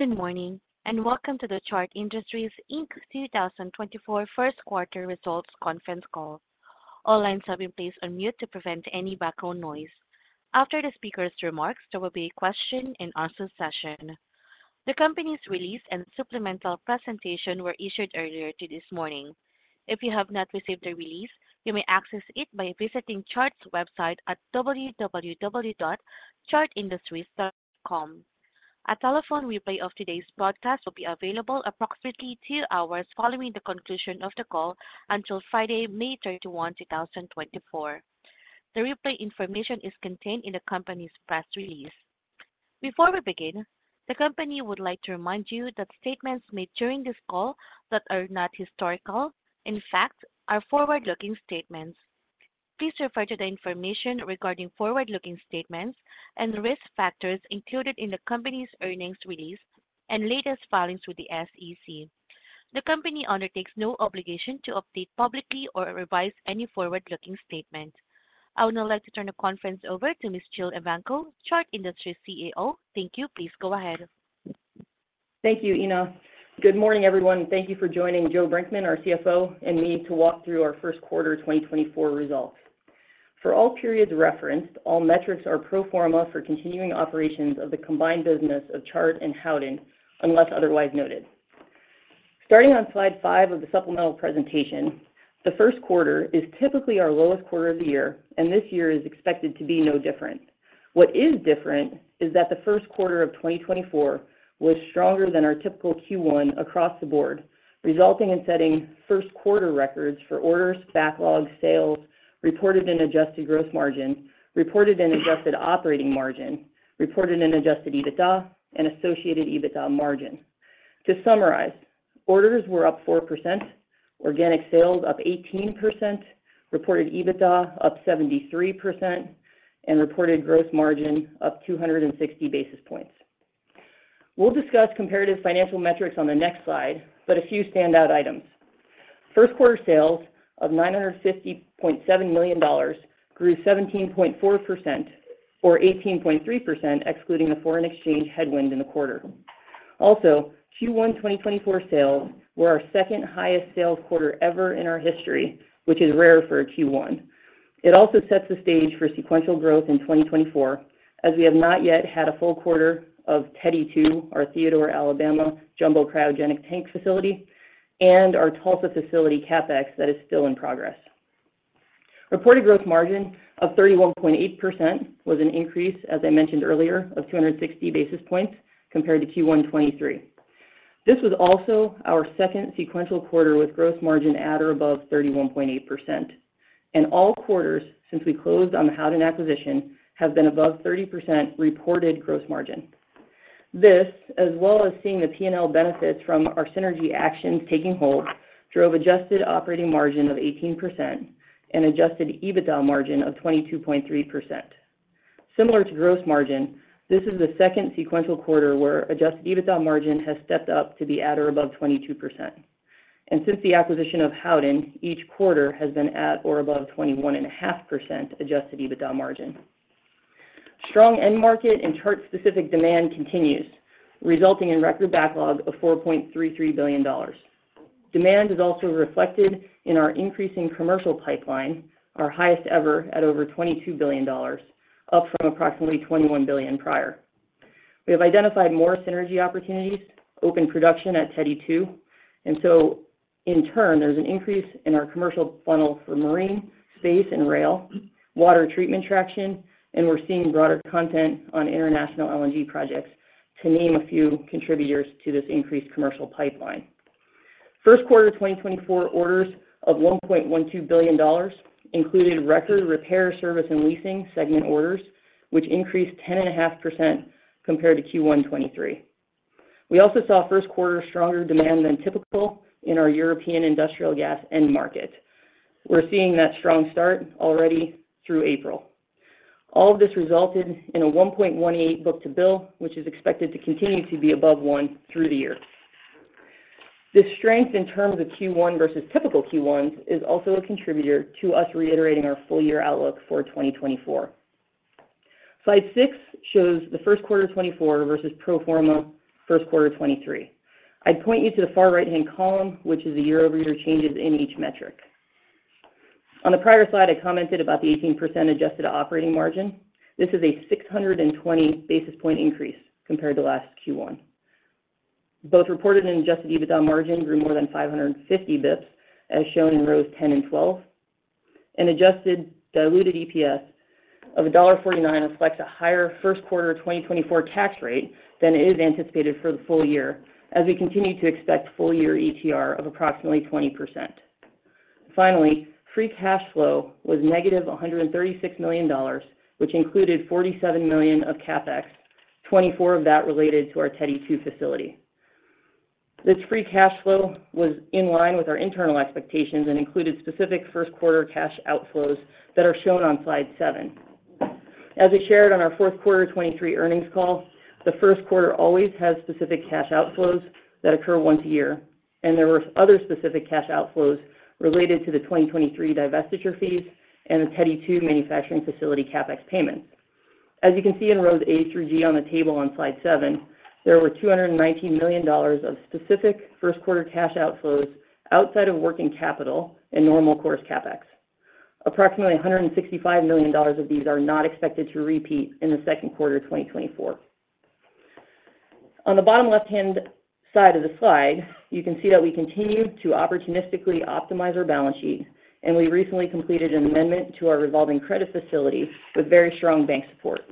Good morning, and welcome to the Chart Industries Inc. 2024 Q1 results conference call. All lines have been placed on mute to prevent any background noise. After the speaker's remarks, there will be a Q&A session. The company's release and supplemental presentation were issued earlier this morning. If you have not received the release, you may access it by visiting Chart's website at www.chartindustries.com. A telephone replay of today's broadcast will be available approximately two hours following the conclusion of the call until Friday, 31 May 2024. The replay information is contained in the company's press release. Before we begin, the company would like to remind you that statements made during this call that are not historical facts are forward-looking statements. Please refer to the information regarding forward-looking statements and risk factors included in the company's earnings release and latest filings with the SEC. The company undertakes no obligation to update publicly or revise any forward-looking statement. I would now like to turn the conference over to Ms. Jill Evanko, Chart Industries CEO. Thank you. Please go ahead. Thank you, Ina. Good morning, everyone. Thank you for joining Joe Brinkman, our CFO, and me to walk through our Q1 2024 results. For all periods referenced, all metrics are pro forma for continuing operations of the combined business of Chart and Howden, unless otherwise noted. Starting on slide 5 of the supplemental presentation, the Q1 is typically our lowest quarter of the year, and this year is expected to be no different. What is different is that the Q1 2024 was stronger than our typical Q1 across the board, resulting in setting Q1 records for orders, backlogs, sales, reported and adjusted gross margin, reported and adjusted operating margin, reported and adjusted EBITDA, and associated EBITDA margin. To summarize, orders were up 4, organic sales up 18%, reported EBITDA up 73%, and reported gross margin up 260 basis points. We'll discuss comparative financial metrics on the next slide, but a few standout items. Q1 sales of $950.7 million grew 17.4% or 18.3%, excluding the foreign exchange headwind in the quarter. Also, Q1 2024 sales were our second highest sales quarter ever in our history, which is rare for a Q1. It also sets the stage for sequential growth in 2024, as we have not yet had a full quarter of Teddy 2, our Theodore, Alabama, jumbo cryogenic tank facility, and our Tulsa facility, CapEx, that is still in progress. Reported gross margin of 31.8% was an increase, as I mentioned earlier, of 260 basis points compared to Q1 2023. This was also our second sequential quarter with gross margin at or above 31.8%, and all quarters since we closed on the Howden acquisition have been above 30% reported gross margin. This, as well as seeing the P&L benefits from our synergy actions taking hold, drove adjusted operating margin of 18% and adjusted EBITDA margin of 22.3%. Similar to gross margin, this is the second sequential quarter where adjusted EBITDA margin has stepped up to be at or above 22%. And since the acquisition of Howden, each quarter has been at or above 21.5% adjusted EBITDA margin. Strong end market and chart-specific demand continues, resulting in record backlog of $4.33 billion. Demand is also reflected in our increasing commercial pipeline, our highest ever at over $22 billion, up from approximately $21 billion prior. We have identified more synergy opportunities, open production at Teddy 2, and so in turn, there's an increase in our commercial funnel for marine, space, and rail, water treatment traction, and we're seeing broader content on international LNG projects, to name a few contributors to this increased commercial pipeline. Q1 2024 orders of $1.12 billion included record repair, service, and leasing segment orders, which increased 10.5% compared to Q1 2023. We also saw Q1 stronger demand than typical in our European industrial gas end market. We're seeing that strong start already through April. All of this resulted in a 1.18 book-to-bill, which is expected to continue to be above one through the year. This strength in terms of Q1 versus typical Q1s is also a contributor to us reiterating our full year outlook for 2024. Slide 6 shows the Q1 2024 versus pro forma Q1 2023. I'd point you to the far right-hand column, which is the year-over-year changes in each metric. On the prior slide, I commented about the 18% adjusted operating margin. This is a 620 basis point increase compared to last Q1. Both reported and adjusted EBITDA margin grew more than 550 basis points, as shown in rows 10 and 12. An adjusted diluted EPS of $1.49 reflects a higher Q1 2024 tax rate than is anticipated for the full year, as we continue to expect full year ETR of approximately 20%. Finally, free cash flow was negative $136 million, which included $47 million of CapEx, $24 million of that related to our Teddy 2 facility. This free cash flow was in line with our internal expectations and included specific Q1 cash outflows that are shown on slide 7. As we shared on our Q4 2023 earnings call, the Q1 always has specific cash outflows that occur once a year... and there were other specific cash outflows related to the 2023 divestiture fees and the Teddy 2 manufacturing facility CapEx payments. As you can see in rows A through G on the table on slide seven, there were $219 million of specific Q1 cash outflows outside of working capital and normal course CapEx. Approximately $165 million of these are not expected to repeat in the Q2 2024. On the bottom left-hand side of the slide, you can see that we continued to opportunistically optimize our balance sheet, and we recently completed an amendment to our revolving credit facility with very strong bank support.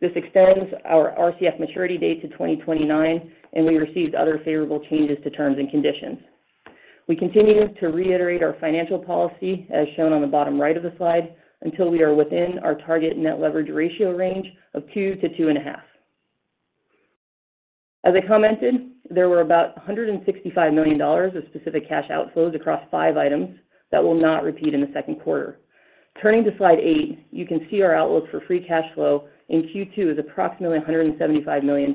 This extends our RCF maturity date to 2029, and we received other favorable changes to terms and conditions. We continue to reiterate our financial policy, as shown on the bottom right of the slide, until we are within our target net leverage ratio range of 2 to 2.5. As I commented, there were about $165 million of specific cash outflows across 5 items that will not repeat in the Q2. Turning to slide 8, you can see our outlook for free cash flow in Q2 is approximately $175 million.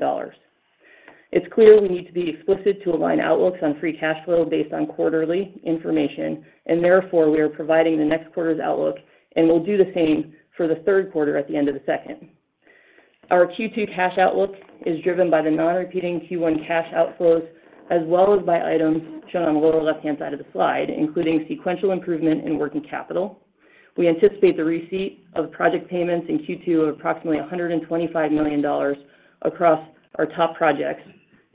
It's clear we need to be explicit to align outlooks on free cash flow based on quarterly information, and therefore, we are providing the next quarter's outlook, and we'll do the same for the Q3 at the end of the second. Our Q2 cash outlook is driven by the non-repeating Q1 cash outflows, as well as by items shown on the lower left-hand side of the slide, including sequential improvement in working capital. We anticipate the receipt of project payments in Q2 of approximately $125 million across our top projects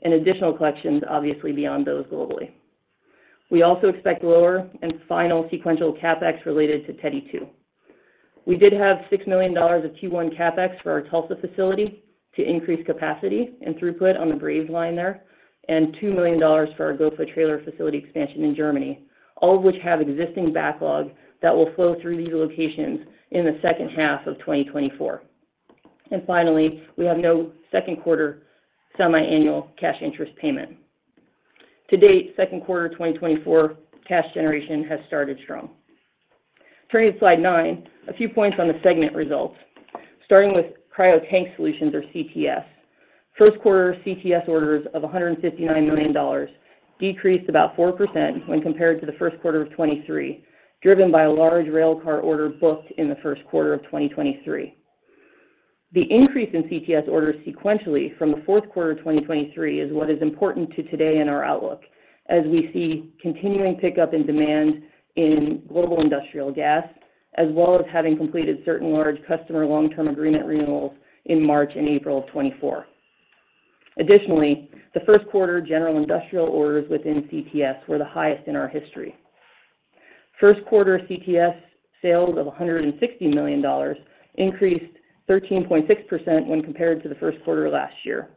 and additional collections, obviously, beyond those globally. We also expect lower and final sequential CapEx related to Teddy 2. We did have $6 million of Q1 CapEx for our Tulsa facility to increase capacity and throughput on the brazed line there, and $2 million for our GOFA Trailer facility expansion in Germany, all of which have existing backlog that will flow through these locations in the H2 of 2024. And finally, we have no Q2 semiannual cash interest payment. To date, Q2 2024 cash generation has started strong. Turning to slide 9, a few points on the segment results. Starting with Cryo Tank Solutions, or CTS. Q1 CTS orders of $159 million decreased about 4% when compared to the Q1 2023, driven by a large rail car order booked in the Q1 2023. The increase in CTS orders sequentially from the Q2 2023 is what is important to today in our outlook, as we see continuing pickup in demand in global industrial gas, as well as having completed certain large customer long-term agreement renewals in March and April 2024. Additionally, the Q1 general industrial orders within CTS were the highest in our history. Q1 CTS sales of $160 million increased 13.6% when compared to the Q1 of last year.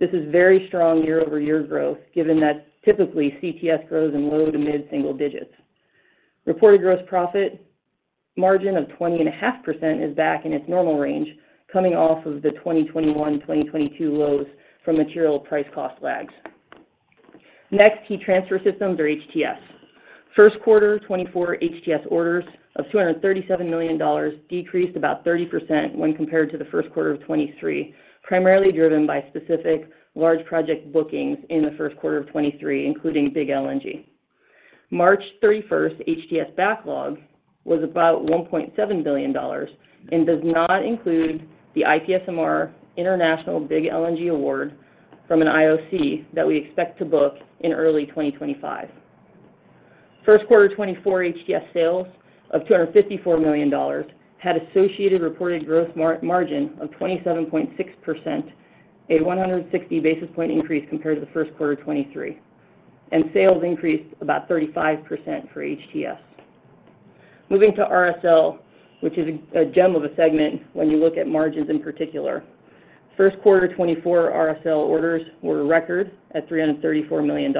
This is very strong year-over-year growth, given that typically, CTS grows in low- to mid-single digits. Reported gross profit margin of 20.5% is back in its normal range, coming off of the 2021, 2022 lows from material price cost lags. Next, Heat Transfer Systems or HTS. Q1 2024 HTS orders of $237 million decreased about 30% when compared to the Q1 2023, primarily driven by specific large project bookings in the Q1 2023, including big LNG. 31 March, HTS backlog was about $1.7 billion and does not include the IPSMR International Big LNG award from an IOC that we expect to book in early 2025. Q1 2024 HTS sales of $254 million had associated reported gross margin of 27.6%, a 160 basis point increase compared to the Q1 2023, and sales increased about 35% for HTS. Moving to RSL, which is a gem of a segment when you look at margins in particular. Q1 2024 RSL orders were a record at $334 million.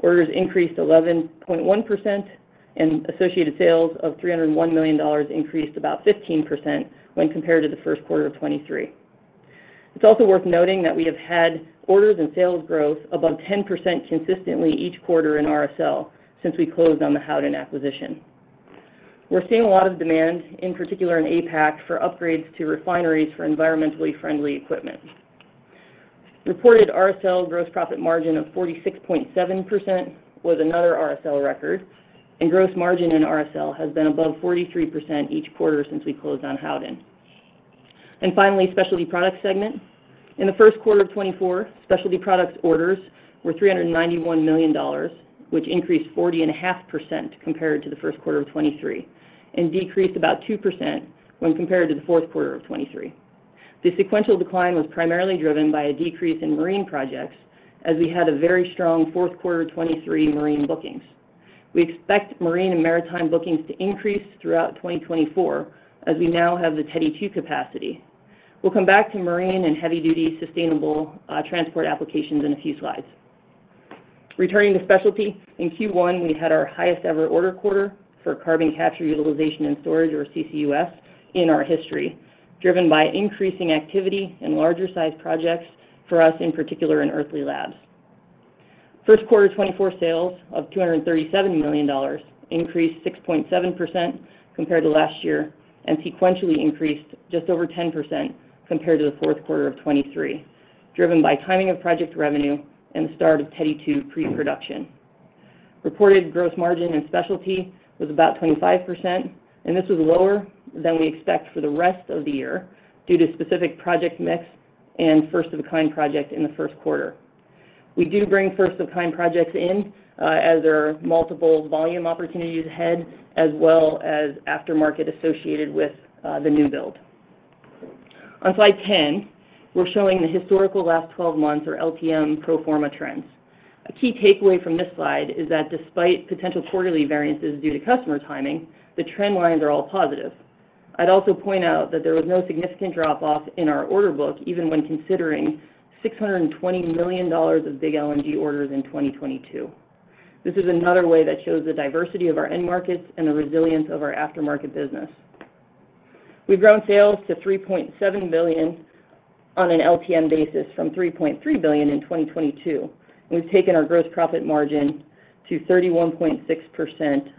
Orders increased 11.1%, and associated sales of $301 million increased about 15% when compared to the Q1 2023. It's also worth noting that we have had orders and sales growth above 10% consistently each quarter in RSL since we closed on the Howden acquisition. We're seeing a lot of demand, in particular in APAC, for upgrades to refineries for environmentally friendly equipment. Reported RSL gross profit margin of 46.7% was another RSL record, and gross margin in RSL has been above 43% each quarter since we closed on Howden. And finally, Specialty Products segment. In the Q1 2024, Specialty Products orders were $391 million, which increased 40.5% compared to the Q1 2023 and decreased about 2% when compared to the Q2 2023. The sequential decline was primarily driven by a decrease in marine projects, as we had a very strong Q2 2023 marine bookings. We expect marine and maritime bookings to increase throughout 2024, as we now have the Teddy 2 capacity. We'll come back to marine and heavy-duty sustainable transport applications in a few slides. Returning to Specialty, in Q1, we had our highest-ever order quarter for carbon capture, utilization, and storage, or CCUS, in our history, driven by increasing activity and larger-sized projects for us, in particular in Earthly Labs. Q1 2024 sales of $237 million increased 6.7% compared to last year, and sequentially increased just over 10% compared to the Q2 2023, driven by timing of project revenue and the start of Teddy 2 pre-production. Reported gross margin in Specialty was about 25%, and this is lower than we expect for the rest of the year due to specific project mix and first-of-a-kind project in the Q1. We do bring first of kind projects in, as there are multiple volume opportunities ahead, as well as aftermarket associated with, the new build. On slide 10, we're showing the historical last 12 months or LTM pro forma trends. A key takeaway from this slide is that despite potential quarterly variances due to customer timing, the trend lines are all positive. I'd also point out that there was no significant drop-off in our order book, even when considering $620 million of big LNG orders in 2022. This is another way that shows the diversity of our end markets and the resilience of our aftermarket business. We've grown sales to $3.7 billion on an LTM basis from $3.3 billion in 2022, and we've taken our gross profit margin to 31.6%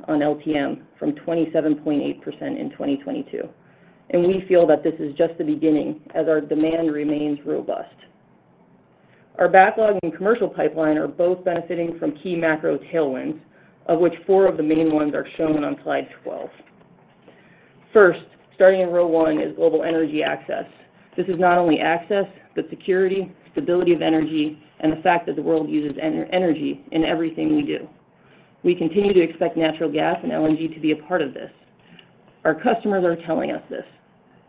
on LTM from 27.8% in 2022. We feel that this is just the beginning as our demand remains robust. Our backlog and commercial pipeline are both benefiting from key macro tailwinds, of which four of the main ones are shown on slide 12. First, starting in row one is global energy access. This is not only access, but security, stability of energy, and the fact that the world uses energy in everything we do. We continue to expect natural gas and LNG to be a part of this. Our customers are telling us this.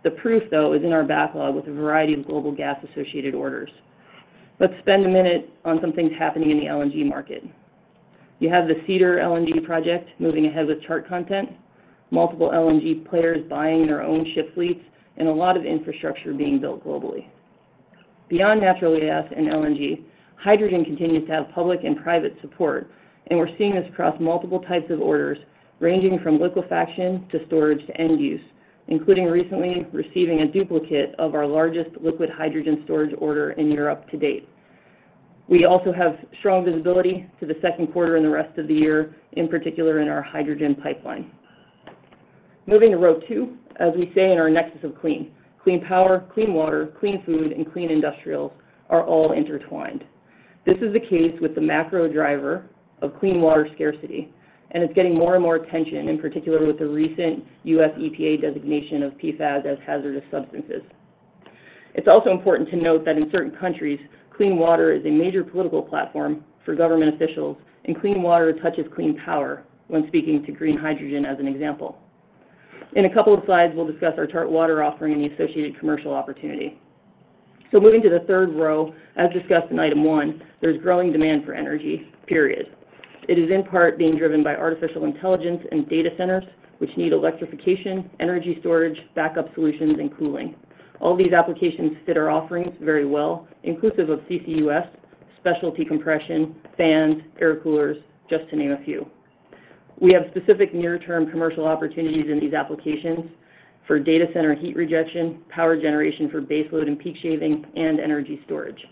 The proof, though, is in our backlog with a variety of global gas-associated orders. Let's spend a minute on some things happening in the LNG market. You have the Cedar LNG project moving ahead with Chart content, multiple LNG players buying their own ship fleets, and a lot of infrastructure being built globally. Beyond natural gas and LNG, hydrogen continues to have public and private support, and we're seeing this across multiple types of orders, ranging from liquefaction to storage to end use, including recently receiving a duplicate of our largest liquid hydrogen storage order in Europe to date. We also have strong visibility to the Q2 and the rest of the year, in particular in our hydrogen pipeline. Moving to row two, as we say in our Nexus of clean, clean power, clean water, clean food, and clean industrials are all intertwined. This is the case with the macro driver of clean water scarcity, and it's getting more and more attention, in particular with the recent US EPA designation of PFAS as hazardous substances. It's also important to note that in certain countries, clean water is a major political platform for government officials, and clean water touches clean power when speaking to green hydrogen as an example. In a couple of slides, we'll discuss our smart water offering and the associated commercial opportunity. So moving to the third row, as discussed in item one, there's growing demand for energy, period. It is in part being driven by artificial intelligence and data centers, which need electrification, energy storage, backup solutions, and cooling. All these applications fit our offerings very well, inclusive of CCUS, specialty compression, fans, air coolers, just to name a few. We have specific near-term commercial opportunities in these applications for data center heat rejection, power generation for baseload and peak shaving, and energy storage.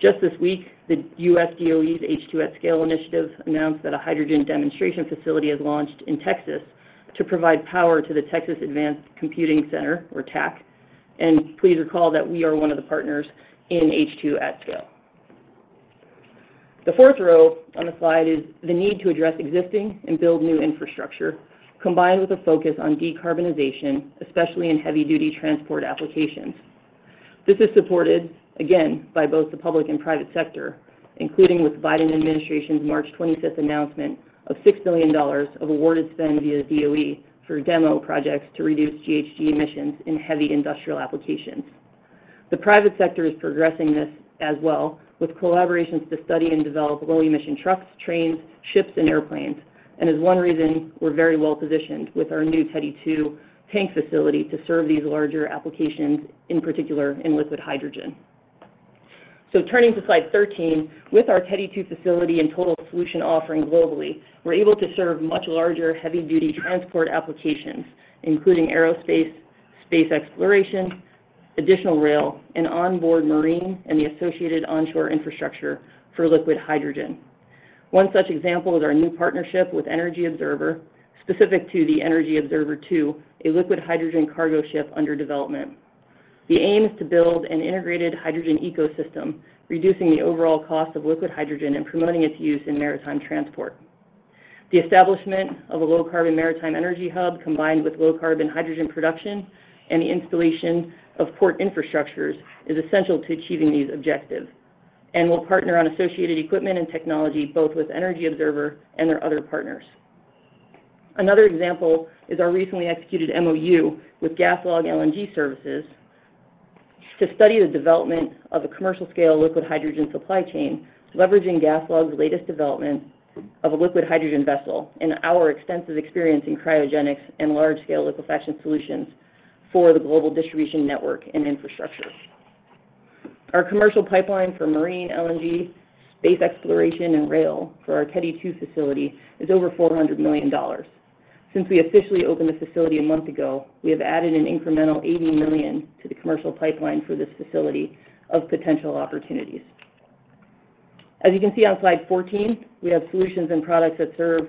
Just this week, the US DOE's H2@Scale initiative announced that a hydrogen demonstration facility has launched in Texas to provide power to the Texas Advanced Computing Center, or TACC, and please recall that we are one of the partners in H2@Scale. The fourth row on the slide is the need to address existing and build new infrastructure, combined with a focus on decarbonization, especially in heavy-duty transport applications. This is supported, again, by both the public and private sector, including with the Biden administration's 25 March announcement of $6 billion of awarded spend via DOE for demo projects to reduce GHG emissions in heavy industrial applications. The private sector is progressing this as well, with collaborations to study and develop low-emission trucks, trains, ships, and airplanes, and is one reason we're very well-positioned with our new Teddy 2 tank facility to serve these larger applications, in particular in liquid hydrogen. So turning to slide 13, with our Teddy 2 facility and total solution offering globally, we're able to serve much larger heavy-duty transport applications, including aerospace, space exploration, additional rail, and onboard marine, and the associated onshore infrastructure for liquid hydrogen. One such example is our new partnership with Energy Observer, specific to the Energy Observer 2, a liquid hydrogen cargo ship under development. The aim is to build an integrated hydrogen ecosystem, reducing the overall cost of liquid hydrogen and promoting its use in maritime transport. The establishment of a low-carbon maritime energy hub, combined with low-carbon hydrogen production and the installation of port infrastructures, is essential to achieving these objectives, and we'll partner on associated equipment and technology, both with Energy Observer and their other partners. Another example is our recently executed MoU with GasLog LNG Services to study the development of a commercial-scale liquid hydrogen supply chain, leveraging GasLog's latest development of a liquid hydrogen vessel and our extensive experience in cryogenics and large-scale liquefaction solutions for the global distribution network and infrastructure. Our commercial pipeline for marine LNG, space exploration, and rail for our Teddy 2 facility is over $400 million. Since we officially opened the facility a month ago, we have added an incremental $80 million to the commercial pipeline for this facility of potential opportunities. As you can see on slide 14, we have solutions and products that serve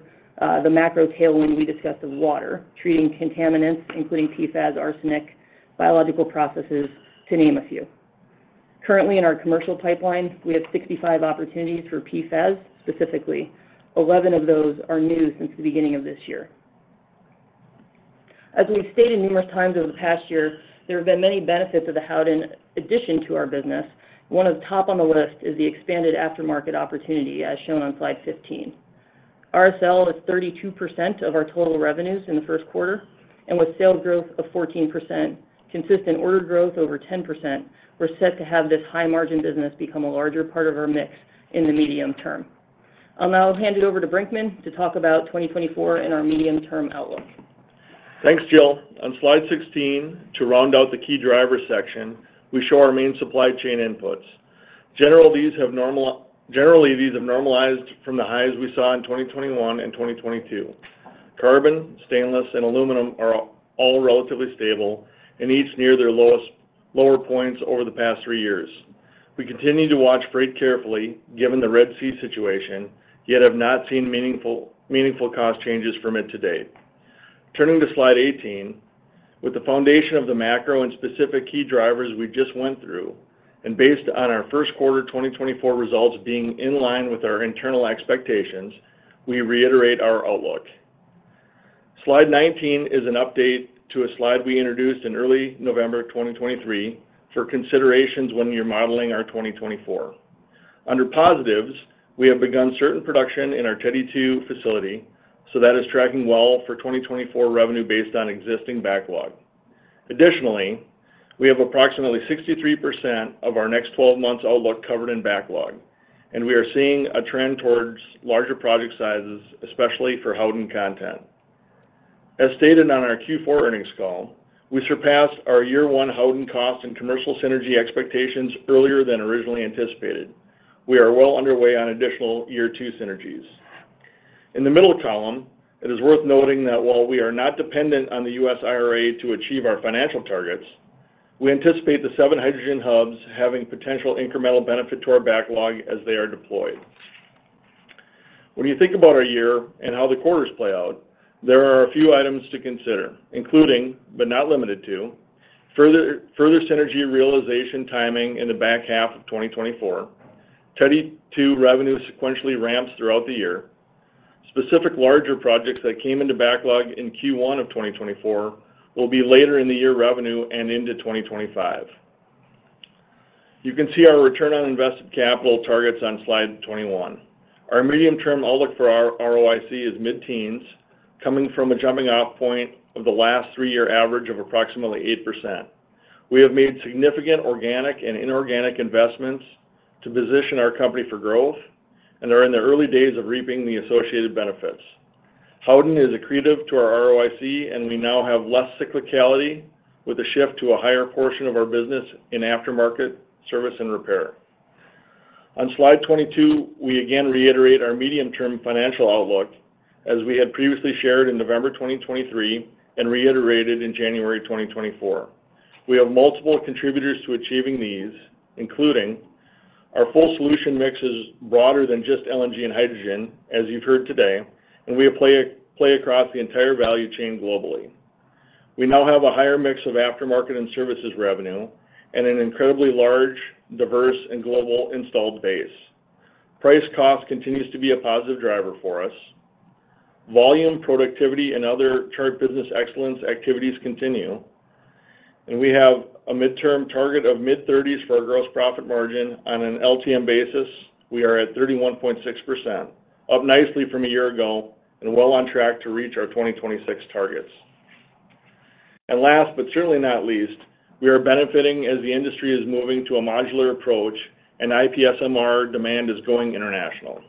the macro tailwind we discussed of water, treating contaminants, including PFAS, arsenic, biological processes, to name a few. Currently, in our commercial pipeline, we have 65 opportunities for PFAS, specifically. 11 of those are new since the beginning of this year. As we've stated numerous times over the past year, there have been many benefits of the Howden addition to our business. One of the top on the list is the expanded aftermarket opportunity, as shown on slide 15. RSL is 32% of our total revenues in the Q1, and with sales growth of 14%, consistent order growth over 10%, we're set to have this high-margin business become a larger part of our mix in the medium term. I'll now hand it over to Brinkman to talk about 2024 and our medium-term outlook. Thanks, Jill. On slide 16, to round out the key driver section, we show our main supply chain inputs. Generally, these have normalized from the highs we saw in 2021 and 2022. Carbon, stainless, and aluminum are all relatively stable and each near their lower points over the past three years. We continue to watch freight carefully, given the Red Sea situation, yet have not seen meaningful cost changes from it to date. Turning to slide 18, with the foundation of the macro and specific key drivers we just went through, and based on our Q1 2024 results being in line with our internal expectations, we reiterate our outlook. Slide 19 is an update to a slide we introduced in early November 2023 for considerations when you're modeling our 2024. Under positives, we have begun certain production in our Teddy 2 facility, so that is tracking well for 2024 revenue based on existing backlog. Additionally, we have approximately 63% of our next 12 months outlook covered in backlog, and we are seeing a trend towards larger project sizes, especially for Howden content. As stated on our Q4 earnings call, we surpassed our year 1 Howden cost and commercial synergy expectations earlier than originally anticipated. We are well underway on additional year 2 synergies. In the middle column, it is worth noting that while we are not dependent on the US IRA to achieve our financial targets, we anticipate the 7 hydrogen hubs having potential incremental benefit to our backlog as they are deployed. When you think about our year and how the quarters play out, there are a few items to consider, including, but not limited to, further synergy realization timing in the back half of 2024, Teddy 2 revenue sequentially ramps throughout the year. Specific larger projects that came into backlog in Q1 2024 will be later in the year revenue and into 2025. You can see our return on invested capital targets on slide 21. Our medium-term outlook for our ROIC is mid-teens, coming from a jumping-off point of the last three-year average of approximately 8%. We have made significant organic and inorganic investments to position our company for growth and are in the early days of reaping the associated benefits. Howden is accretive to our ROIC, and we now have less cyclicality with a shift to a higher portion of our business in aftermarket, service, and repair. On slide 22, we again reiterate our medium-term financial outlook, as we had previously shared in November 2023 and reiterated in January 2024. We have multiple contributors to achieving these, including our full solution mix is broader than just LNG and hydrogen, as you've heard today, and we play across the entire value chain globally. We now have a higher mix of aftermarket and services revenue and an incredibly large, diverse, and global installed base. Price cost continues to be a positive driver for us. Volume, productivity, and other Chart Business Excellence activities continue, and we have a midterm target of mid-30s% for our gross profit margin. On an LTM basis, we are at 31.6%, up nicely from a year ago and well on track to reach our 2026 targets. And last, but certainly not least, we are benefiting as the industry is moving to a modular approach, and IPSMR demand is going international.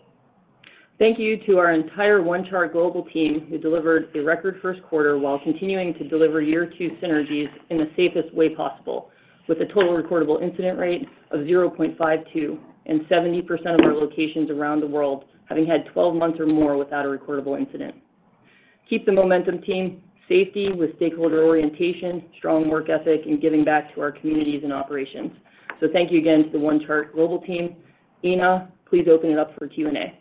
Thank you to our entire OneChart global team, who delivered a record Q1 while continuing to deliver year two synergies in the safest way possible, with a total recordable incident rate of 0.52 and 70% of our locations around the world having had 12 months or more without a recordable incident. Keep the momentum, team. Safety with stakeholder orientation, strong work ethic, and giving back to our communities and operations. So thank you again to the OneChart global team. Ina, please open it up for Q&A.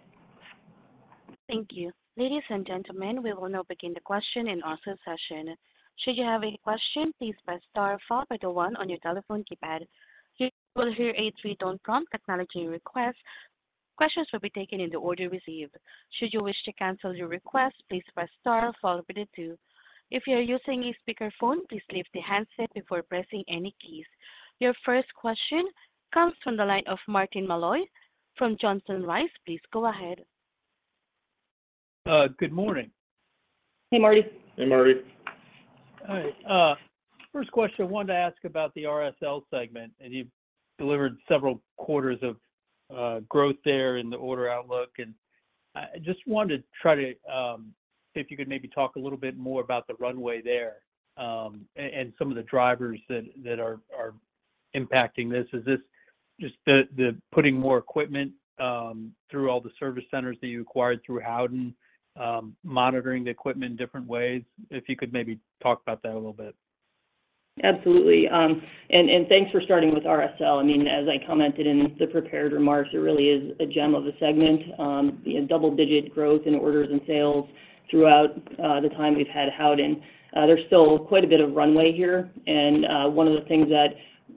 Thank you. Ladies and gentlemen, we will now begin the question and answer session. Should you have any question, please press star four followed by the one on your telephone keypad. You will hear a three-tone prompt acknowledging request. Questions will be taken in the order received. Should you wish to cancel your request, please press star followed by the two. If you are using a speakerphone, please leave the handset before pressing any keys. Your first question comes from the line of Martin Malloy from Johnson Rice. Please go ahead. Good morning. Hey, Marty. Hey, Marty. All right, first question, I wanted to ask about the RSL segment, and you've delivered several quarters of growth there in the order outlook. And I just wanted to try to see if you could maybe talk a little bit more about the runway there, and some of the drivers that are impacting this. Is this just the putting more equipment through all the service centers that you acquired through Howden, monitoring the equipment in different ways? If you could maybe talk about that a little bit. Absolutely. And thanks for starting with RSL. I mean, as I commented in the prepared remarks, it really is a gem of a segment. Double-digit growth in orders and sales throughout the time we've had Howden. There's still quite a bit of runway here, and one of the things that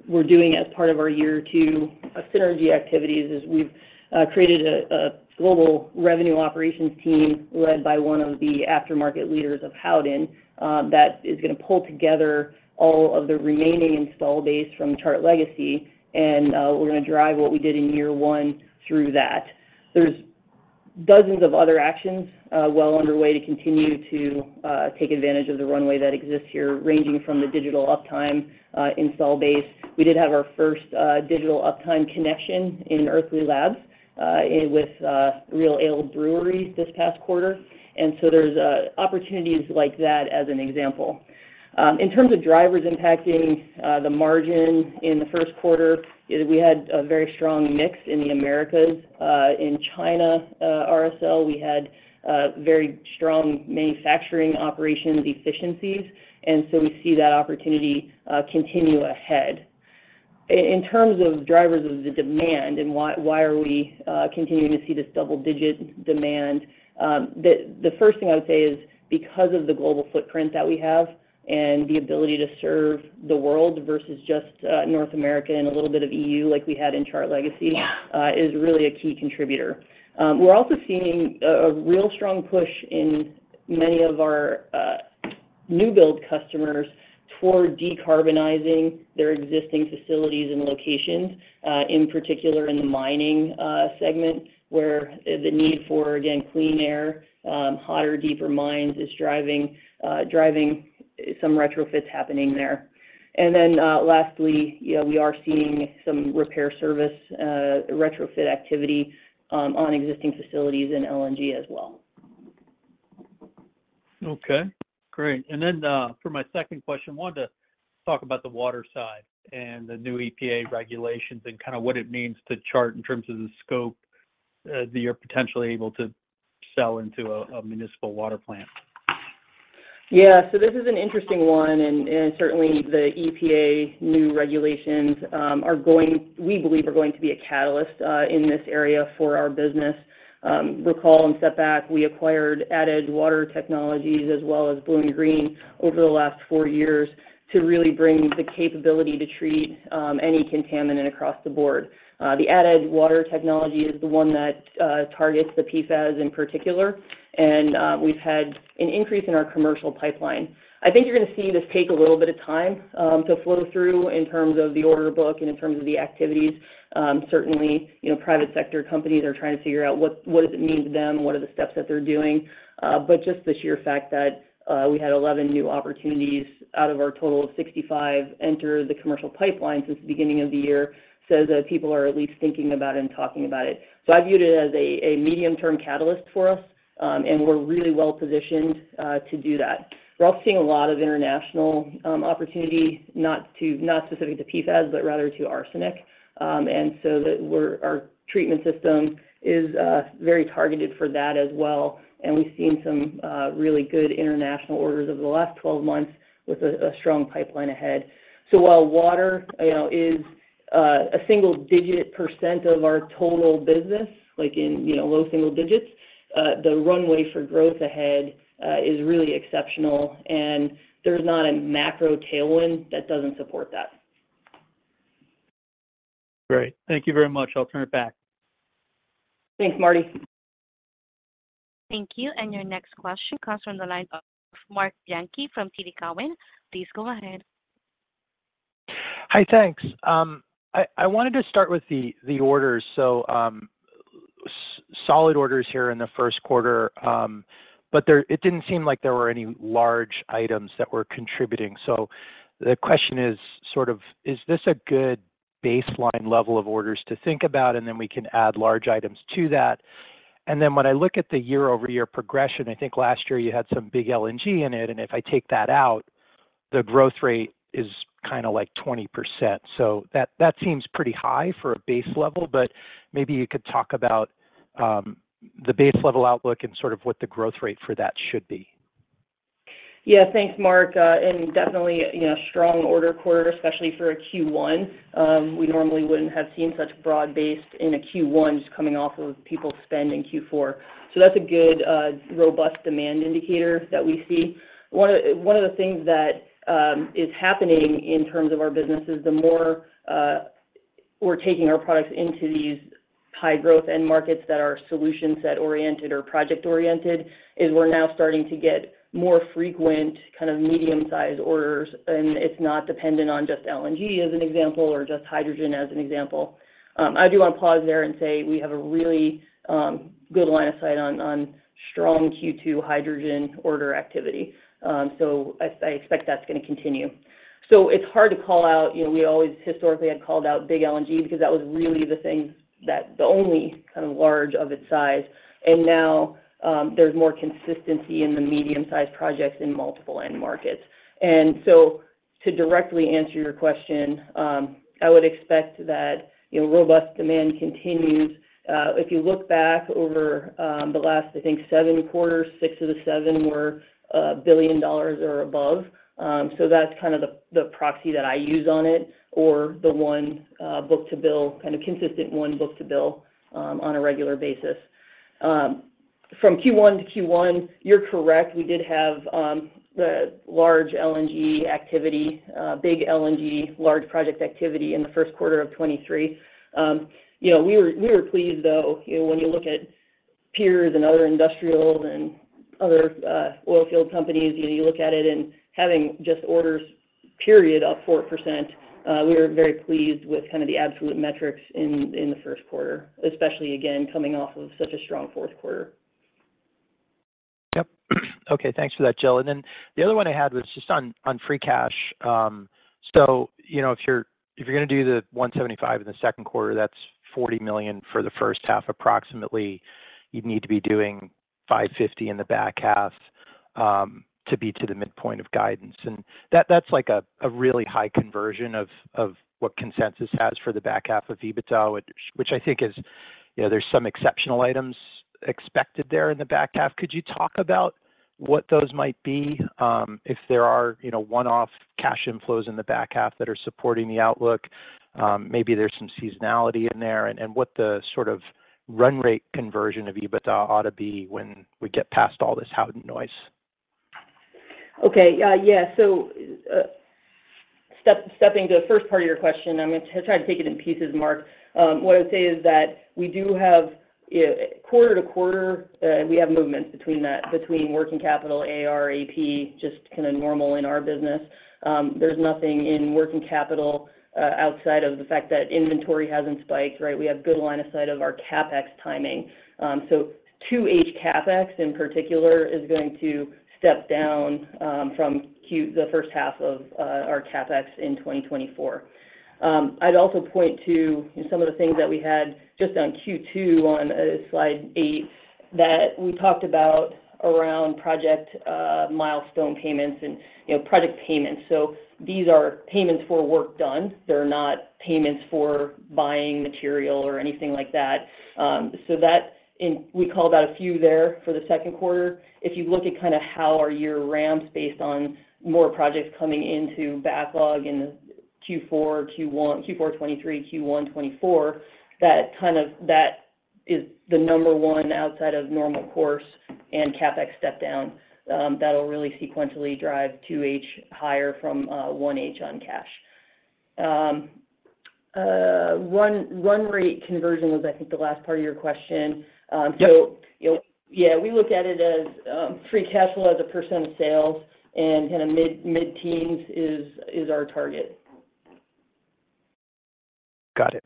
we're doing as part of our year two synergy activities is we've created a global revenue operations team led by one of the aftermarket leaders of Howden that is gonna pull together all of the remaining install base from Chart Legacy, and we're gonna drive what we did in year one through that. There's dozens of other actions well underway to continue to take advantage of the runway that exists here, ranging from the digital uptime install base. We did have our first digital uptime connection in Earthly Labs with Real Ale Brewery this past quarter. And so there's opportunities like that as an example. In terms of drivers impacting the margin in the Q1, is we had a very strong mix in the Americas. In China, RSL, we had very strong manufacturing operations efficiencies, and so we see that opportunity continue ahead. In terms of drivers of the demand and why are we continuing to see this double-digit demand, the first thing I would say is because of the global footprint that we have and the ability to serve the world versus just North America and a little bit of EU, like we had in Chart Legacy, is really a key contributor. We're also seeing a real strong push in many of our new build customers toward decarbonizing their existing facilities and locations, in particular in the mining segment, where the need for, again, clean air, hotter, deeper mines is driving some retrofits happening there. And then, lastly, yeah, we are seeing some repair service retrofit activity on existing facilities in LNG as well. Okay, great. And then, for my second question, I wanted to talk about the water side and the new EPA regulations and kind of what it means to Chart in terms of the scope, that you're potentially able to sell into a municipal water plant. Yeah. So this is an interesting one, and certainly the EPA new regulations are going, we believe, are going to be a catalyst in this area for our business. Let me step back, we acquired AdEdge Water Technologies as well as BLUEnGREEN over the last four years to really bring the capability to treat any contaminant across the board. The AdEdge Water technology is the one that targets the PFAS in particular, and we've had an increase in our commercial pipeline. I think you're gonna see this take a little bit of time to flow through in terms of the order book and in terms of the activities. Certainly, you know, private sector companies are trying to figure out what does it mean to them, what are the steps that they're doing. But just the sheer fact that we had 11 new opportunities out of our total of 65 enter the commercial pipeline since the beginning of the year says that people are at least thinking about and talking about it. So I view it as a medium-term catalyst for us, and we're really well positioned to do that. We're also seeing a lot of international opportunity, not specific to PFAS, but rather to arsenic. And so our treatment system is very targeted for that as well, and we've seen some really good international orders over the last 12 months with a strong pipeline ahead. So while water, you know, is a single-digit percent of our total business, like in, you know, low single digits, the runway for growth ahead is really exceptional, and there's not a macro tailwind that doesn't support that. Great. Thank you very much. I'll turn it back. Thanks, Marty. Thank you, and your next question comes from the line of Marc Bianchi from TD Cowen. Please go ahead. Hi, thanks. I wanted to start with the orders. So, solid orders here in the Q1, but it didn't seem like there were any large items that were contributing. So the question is sort of: Is this a good baseline level of orders to think about, and then we can add large items to that? And then when I look at the year-over-year progression, I think last year you had some big LNG in it, and if I take that out, the growth rate is kind of like 20%. So that seems pretty high for a base level, but maybe you could talk about the base level outlook and sort of what the growth rate for that should be. Yeah, thanks, Marc. And definitely, you know, strong order quarter, especially for a Q1. We normally wouldn't have seen such broad-based in a Q1 just coming off of people spending Q4. So that's a good, robust demand indicator that we see. One of, one of the things that is happening in terms of our business is the more we're taking our products into these high-growth end markets that are solution set oriented or project oriented, is we're now starting to get more frequent, kind of medium-sized orders, and it's not dependent on just LNG, as an example, or just hydrogen, as an example. I do want to pause there and say we have a really good line of sight on, on strong Q2 hydrogen order activity. So I, I expect that's gonna continue. So it's hard to call out... You know, we always historically had called out big LNG because that was really the thing that—the only kind of large of its size, and now there's more consistency in the medium-sized projects in multiple end markets. And so to directly answer your question, I would expect that, you know, robust demand continues. If you look back over the last, I think, seven quarters, six of the seven were $1 billion or above. So that's kind of the, the proxy that I use on it, or the one book-to-bill, kind of consistent one book-to-bill on a regular basis. From Q1 to Q1, you're correct, we did have the large LNG activity, big LNG, large project activity in the Q1 2023. You know, we were, we were pleased, though. You know, when you look at peers and other industrial and other oil field companies, you look at it and having just orders, period, up 4%, we were very pleased with kind of the absolute metrics in, in the Q1, especially again, coming off of such a strong Q4. Yep. Okay, thanks for that, Jill. And then the other one I had was just on free cash. So, you know, if you're gonna do the $175 million in the Q2, that's $40 million for the H1, approximately. You'd need to be doing $550 million in the back half to be to the midpoint of guidance. And that, that's like a really high conversion of what consensus has for the back half of EBITDA, which I think is, you know, there's some exceptional items expected there in the back half. Could you talk about what those might be, if there are, you know, one-off cash inflows in the back half that are supporting the outlook? Maybe there's some seasonality in there, and what the sort of run rate conversion of EBITDA ought to be when we get past all this Howden noise. Okay. Stepping to the first part of your question, I'm gonna try to take it in pieces, Marc. What I'd say is that we do have quarter-to-quarter we have movements between that - between working capital, AR, AP, just kind of normal in our business. There's nothing in working capital outside of the fact that inventory hasn't spiked, right? We have good line of sight of our CapEx timing. So 2H CapEx, in particular, is going to step down from Q the H1 of our CapEx in 2024. I'd also point to some of the things that we had just on Q2, on slide 8, that we talked about around project milestone payments and, you know, product payments. So these are payments for work done. They're not payments for buying material or anything like that. So that in—we call that a few there for the Q2. If you look at kind of how our year ramps based on more projects coming into backlog in Q4, Q1—Q4 2023, Q1 2024, that kind of—that is the number one outside of normal course and CapEx step down. That'll really sequentially drive 2H higher from 1H on cash. Run rate conversion was, I think, the last part of your question. So- Yep. You know, yeah, we look at it as free cash flow as a percent of sales, and kind of mid-teens is our target. Got it.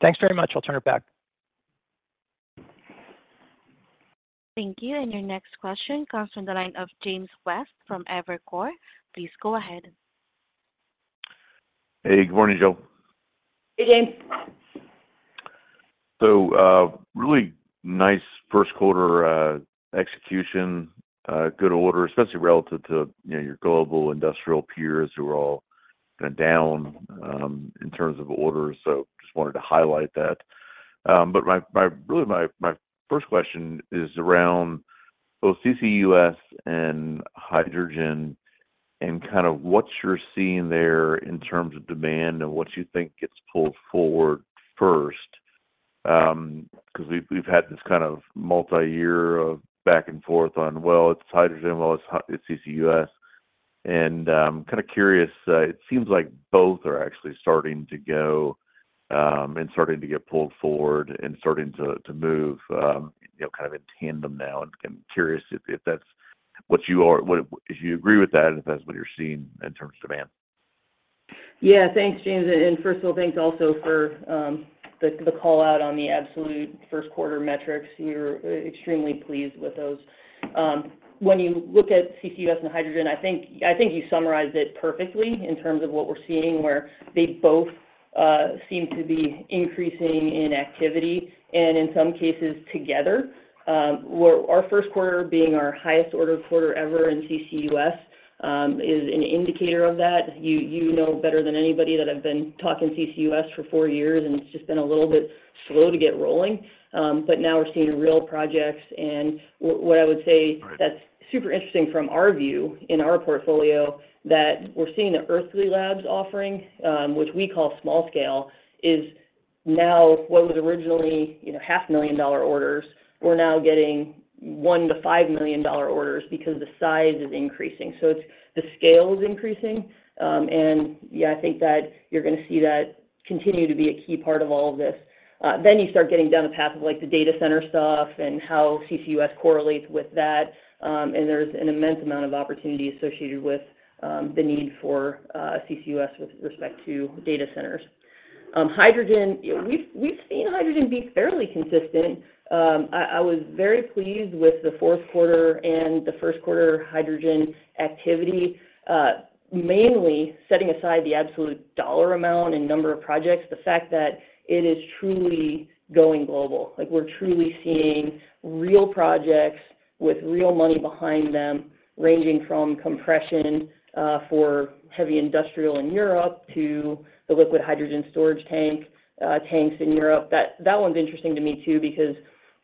Thanks very much. I'll turn it back. Thank you, and your next question comes from the line of James West from Evercore. Please go ahead. Hey, good morning, Jill. Hey, James. So, really nice Q1, execution, good order, especially relative to, you know, your global industrial peers who are all kind of down, in terms of orders. So just wanted to highlight that. But really, my first question is around both CCUS and hydrogen, and kind of what you're seeing there in terms of demand and what you think gets pulled forward first. 'Cause we've had this kind of multiyear of back and forth on, well, it's hydrogen, well, it's CCUS. And I'm kind of curious, it seems like both are actually starting to go, and starting to get pulled forward and starting to move, you know, kind of in tandem now. I'm curious if you agree with that, and if that's what you're seeing in terms of demand. Yeah. Thanks, James, and first of all, thanks also for the call-out on the absolute Q1 metrics. We're extremely pleased with those. When you look at CCUS and hydrogen, I think you summarized it perfectly in terms of what we're seeing, where they both seem to be increasing in activity, and in some cases together. Well, our Q1 being our highest ordered quarter ever in CCUS is an indicator of that. You know better than anybody that I've been talking CCUS for four years, and it's just been a little bit slow to get rolling. But now we're seeing real projects. And what I would say- Right... that's super interesting from our view, in our portfolio, that we're seeing the Earthly Labs offering, which we call small scale, is now what was originally, you know, $500,000 orders, we're now getting $1 to 5 million orders because the size is increasing. So it's the scale is increasing. And yeah, I think that you're gonna see that continue to be a key part of all of this. Then you start getting down the path of, like, the data center stuff and how CCUS correlates with that. And there's an immense amount of opportunity associated with the need for CCUS with respect to data centers. Hydrogen, you know, we've, we've seen hydrogen be fairly consistent. I was very pleased with the Q4 and the Q1 hydrogen activity, mainly setting aside the absolute dollar amount and number of projects, the fact that it is truly going global. Like, we're truly seeing real projects with real money behind them, ranging from compression for heavy industrial in Europe to the liquid hydrogen storage tank, tanks in Europe. That one's interesting to me too, because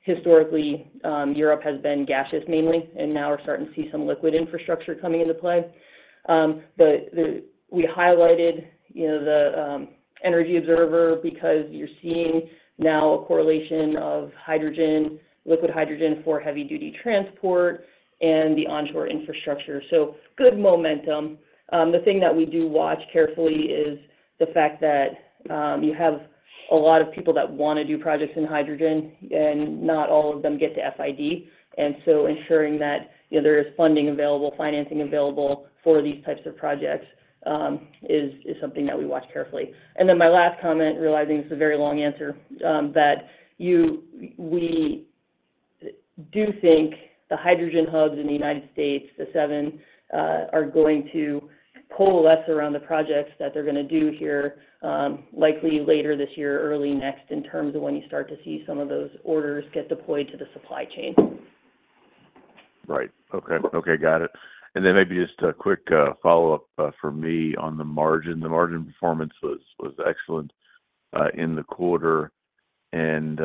historically, Europe has been gaseous mainly, and now we're starting to see some liquid infrastructure coming into play. But we highlighted, you know, the Energy Observer because you're seeing now a correlation of hydrogen, liquid hydrogen for heavy-duty transport and the onshore infrastructure. So good momentum. The thing that we do watch carefully is the fact that you have a lot of people that wanna do projects in hydrogen, and not all of them get to FID. And so ensuring that, you know, there is funding available, financing available for these types of projects, is something that we watch carefully. And then my last comment, realizing this is a very long answer, that we do think the hydrogen hubs in the United States, the seven, are going to coalesce around the projects that they're gonna do here, likely later this year or early next, in terms of when you start to see some of those orders get deployed to the supply chain. Right. Okay. Okay, got it. And then maybe just a quick follow-up from me on the margin. The margin performance was excellent in the quarter. And,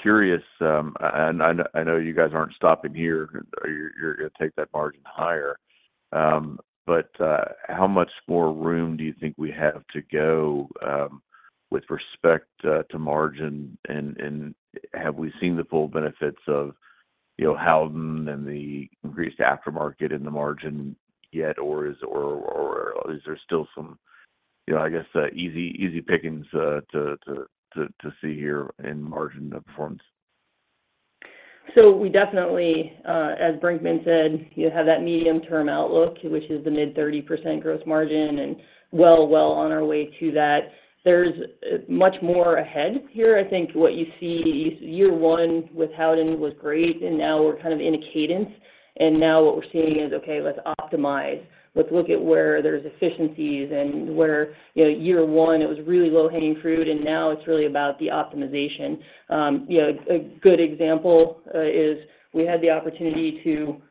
curious, and I know you guys aren't stopping here. You're gonna take that margin higher. But, how much more room do you think we have to go with respect to margin? And, have we seen the full benefits of, you know, Howden and the increased aftermarket in the margin yet, or is—or, is there still some, you know, I guess, easy pickings to see here in margin performance? So we definitely, as Brinkman said, you have that medium-term outlook, which is the mid-30% gross margin, and well on our way to that. There's much more ahead here. I think what you see, year one with Howden was great, and now we're kind of in a cadence. And now what we're seeing is, okay, let's optimize. Let's look at where there's efficiencies and where... You know, year one, it was really low-hanging fruit, and now it's really about the optimization. You know, a good example is we had the opportunity to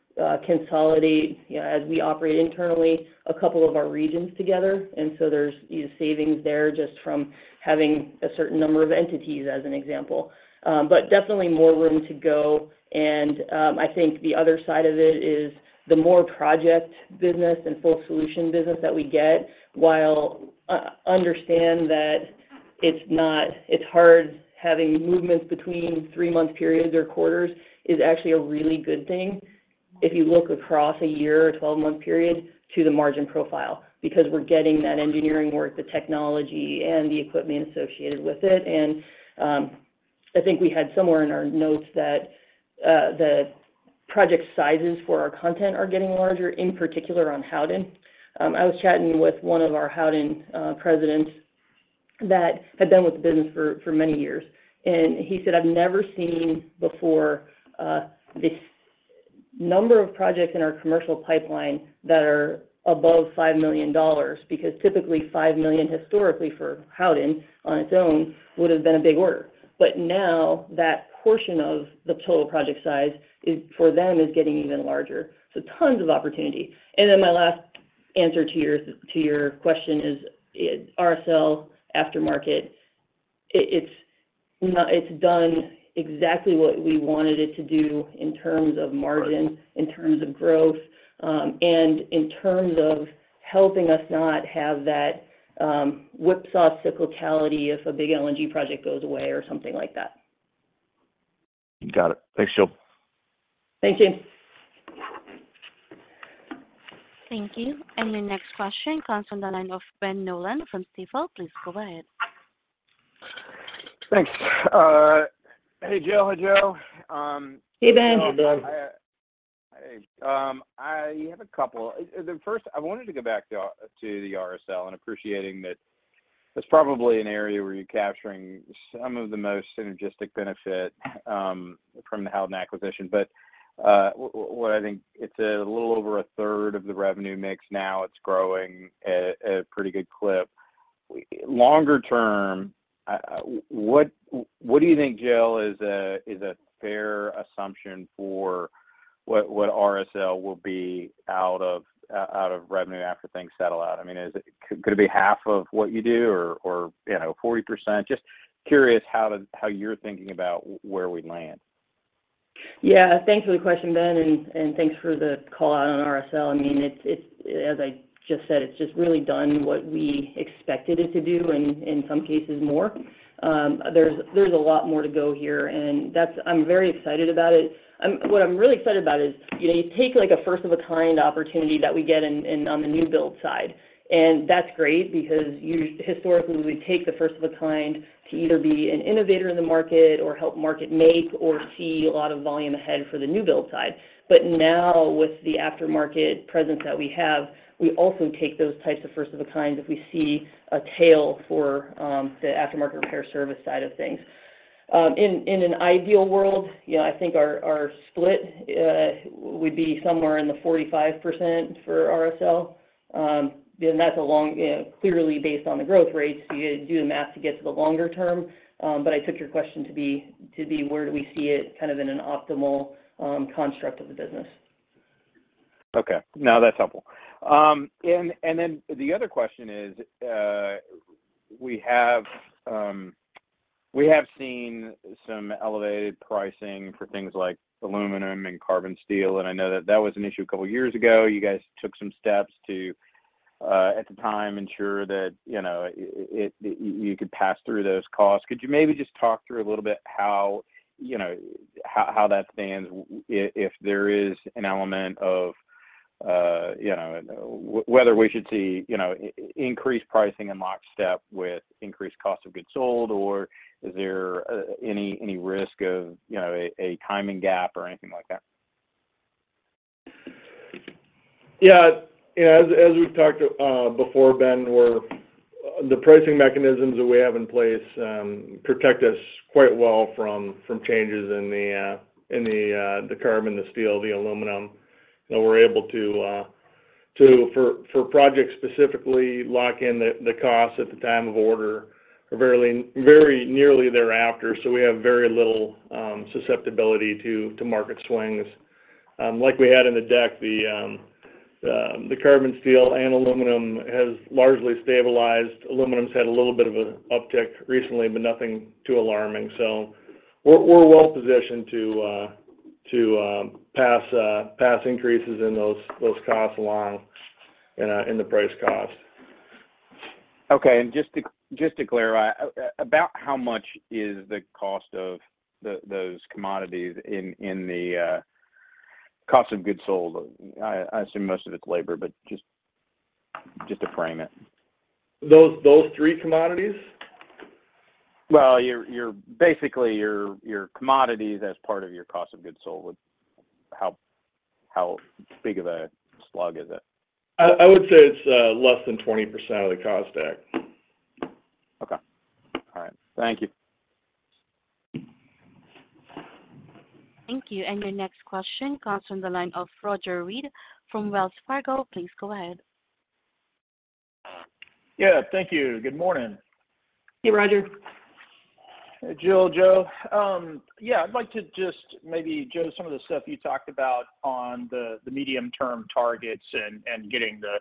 consolidate, you know, as we operate internally, a couple of our regions together. And so there's, you know, savings there just from having a certain number of entities, as an example. But definitely more room to go, and, I think the other side of it is the more project business and full solution business that we get, while, understand that it's not, it's hard having movements between three-month periods or quarters, is actually a really good thing if you look across a year or 12-month period to the margin profile. Because we're getting that engineering work, the technology, and the equipment associated with it. And, I think we had somewhere in our notes that, the project sizes for our content are getting larger, in particular on Howden. I was chatting with one of our Howden presidents that had been with the business for many years, and he said, "I've never seen before, this number of projects in our commercial pipeline that are above $5 million." Because typically, $5 million historically for Howden on its own would have been a big order, but now that portion of the total project size is, for them, getting even larger. So tons of opportunity. And then my last answer to your question is RSL aftermarket; it's done exactly what we wanted it to do in terms of margin- Right... in terms of growth, and in terms of helping us not have that, whipsaw cyclicality if a big LNG project goes away or something like that. Got it. Thanks, Jill. Thank you. Thank you. Your next question comes from the line of Ben Nolan from Stifel. Please go ahead. Thanks. Hey, Jill. Hi, Joe. Hey, Ben. Hello, Ben. Hey, I have a couple. The first, I wanted to go back to the RSL and appreciating that it's probably an area where you're capturing some of the most synergistic benefit from the Howden acquisition. But what I think it's a little over a third of the revenue mix now. It's growing at a pretty good clip. Longer term, what do you think, Jill, is a fair assumption for what RSL will be out of revenue after things settle out? I mean, is it could it be half of what you do or you know, 40%? Just curious how you're thinking about where we land. Yeah. Thanks for the question, Ben, and thanks for the call out on RSL. I mean, it's, as I just said, just really done what we expected it to do, and in some cases, more. There's a lot more to go here, and that's. I'm very excited about it. What I'm really excited about is, you know, you take, like, a first-of-a-kind opportunity that we get in on the new build side, and that's great because historically, we take the first-of-a-kind to either be an innovator in the market or help market make or see a lot of volume ahead for the new build side. But now, with the aftermarket presence that we have, we also take those types of first-of-a-kind if we see a tail for the aftermarket repair service side of things. In an ideal world, you know, I think our split would be somewhere in the 45% for RSL. And that's a long, you know, clearly based on the growth rates, you do the math to get to the longer term. But I took your question to be where do we see it kind of in an optimal construct of the business?... Okay. No, that's helpful. And, and then the other question is, we have, we have seen some elevated pricing for things like aluminum and carbon steel, and I know that that was an issue a couple of years ago. You guys took some steps to, at the time, ensure that, you know, it, it-- you, you could pass through those costs. Could you maybe just talk through a little bit how, you know, how, how that stands, if, if there is an element of, you know, whether we should see, you know, increased pricing in lockstep with increased cost of goods sold, or is there, any, any risk of, you know, a, a timing gap or anything like that? Yeah. Yeah, as we've talked before, Ben, we're the pricing mechanisms that we have in place protect us quite well from changes in the carbon, the steel, the aluminum. And we're able to, for projects specifically, lock in the costs at the time of order, or verily very nearly thereafter. So we have very little susceptibility to market swings. Like we had in the deck, the carbon steel and aluminum has largely stabilized. Aluminum's had a little bit of a uptick recently, but nothing too alarming. So we're well positioned to pass increases in those costs along in the price cost. Okay. And just to, just to clarify, about how much is the cost of the, those commodities in, in the, cost of goods sold? I, I assume most of it's labor, but just, just to frame it. Those, those three commodities? Well, basically, your commodities as part of your cost of goods sold, would... How big of a slug is it? I would say it's less than 20% of the cost deck. Okay. All right. Thank you. Thank you. Your next question comes from the line of Roger Read from Wells Fargo. Please go ahead. Yeah, thank you. Good morning. Hey, Roger. Hey, Jill, Joe. Yeah, I'd like to just maybe, Joe, some of the stuff you talked about on the, the medium-term targets and, and getting the,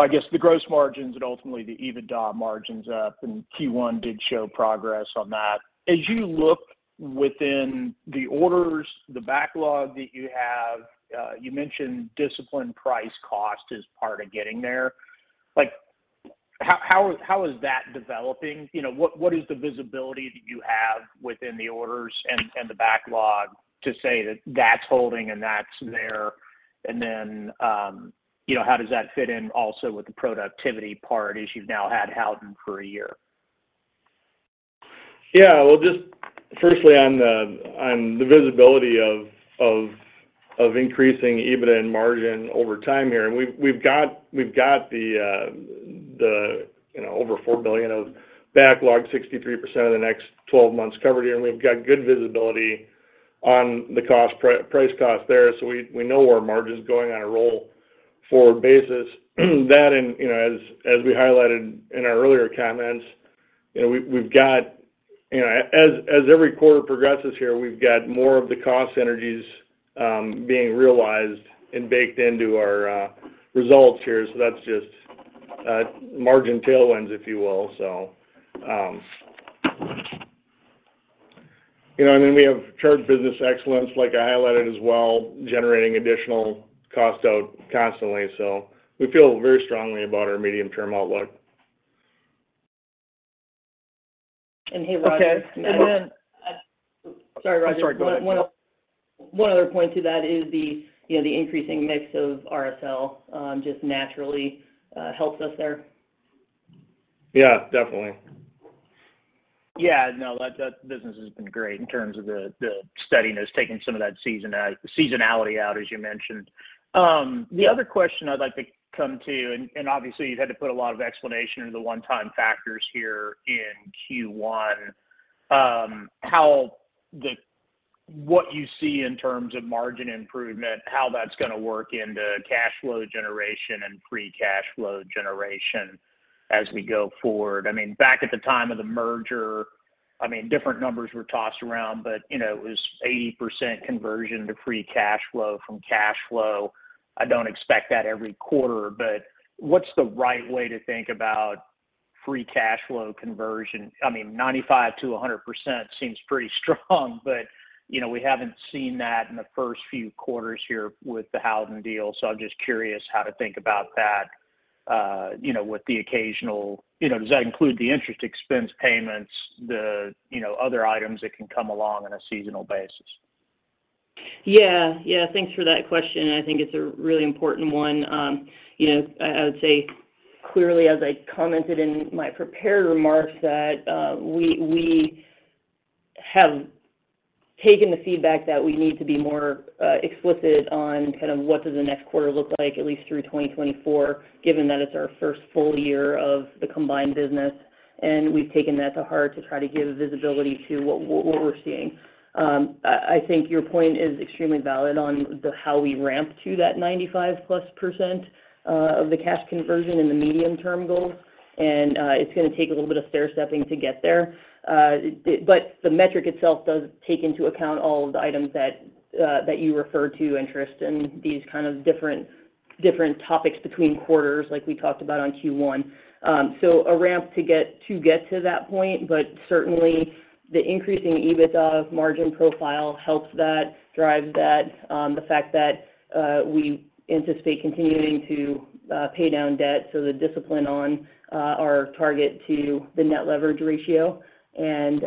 I guess, the gross margins and ultimately the EBITDA margins up, and Q1 did show progress on that. As you look within the orders, the backlog that you have, you mentioned disciplined price cost is part of getting there. Like, how, how is, how is that developing? You know, what, what is the visibility that you have within the orders and, and the backlog to say that that's holding and that's there? And then, you know, how does that fit in also with the productivity part, as you've now had Howden for a year? Yeah, well, just firstly on the visibility of increasing EBITDA and margin over time here, and we've got the, you know, over $4 billion of backlog, 63% of the next 12 months covered here, and we've got good visibility on the price-cost there. So we know our margin is going on a roll-forward basis. That and, you know, as we highlighted in our earlier comments, you know, we've got... You know, as every quarter progresses here, we've got more of the cost synergies being realized and baked into our results here. So that's just margin tailwinds, if you will. So, you know, and then we have Chart business excellence, like I highlighted as well, generating additional cost out constantly. So we feel very strongly about our medium-term outlook. Hey, Roger- Okay. Sorry, Roger. Sorry, go ahead. One other point to that is, you know, the increasing mix of RSL just naturally helps us there. Yeah, definitely. Yeah, no, that business has been great in terms of the steadiness, taking some of that seasonality out, as you mentioned. The other question I'd like to come to, and obviously, you've had to put a lot of explanation into the one-time factors here in Q1. What you see in terms of margin improvement, how that's gonna work in the cash flow generation and free cash flow generation as we go forward? I mean, back at the time of the merger, different numbers were tossed around, but you know, it was 80% conversion to free cash flow from cash flow. I don't expect that every quarter, but what's the right way to think about free cash flow conversion? I mean, 95% to 100% seems pretty strong, but, you know, we haven't seen that in the first few quarters here with the Howden deal, so I'm just curious how to think about that, you know, with the occasional... You know, does that include the interest expense payments, the, you know, other items that can come along on a seasonal basis? Yeah, yeah. Thanks for that question. I think it's a really important one. You know, I would say clearly, as I commented in my prepared remarks, that we have taken the feedback that we need to be more explicit on kind of what does the next quarter look like, at least through 2024, given that it's our first full year of the combined business, and we've taken that to heart to try to give visibility to what we're seeing. I think your point is extremely valid on the, how we ramp to that +95% of the cash conversion and the medium-term goals, and it's gonna take a little bit of stair-stepping to get there. But the metric itself does take into account all of the items that you referred to, interest and these kind of different topics between quarters, like we talked about on Q1. So a ramp to get to that point, but certainly the increasing EBITDA margin profile helps that, drives that, the fact that we anticipate continuing to pay down debt, so the discipline on our target to the net leverage ratio. You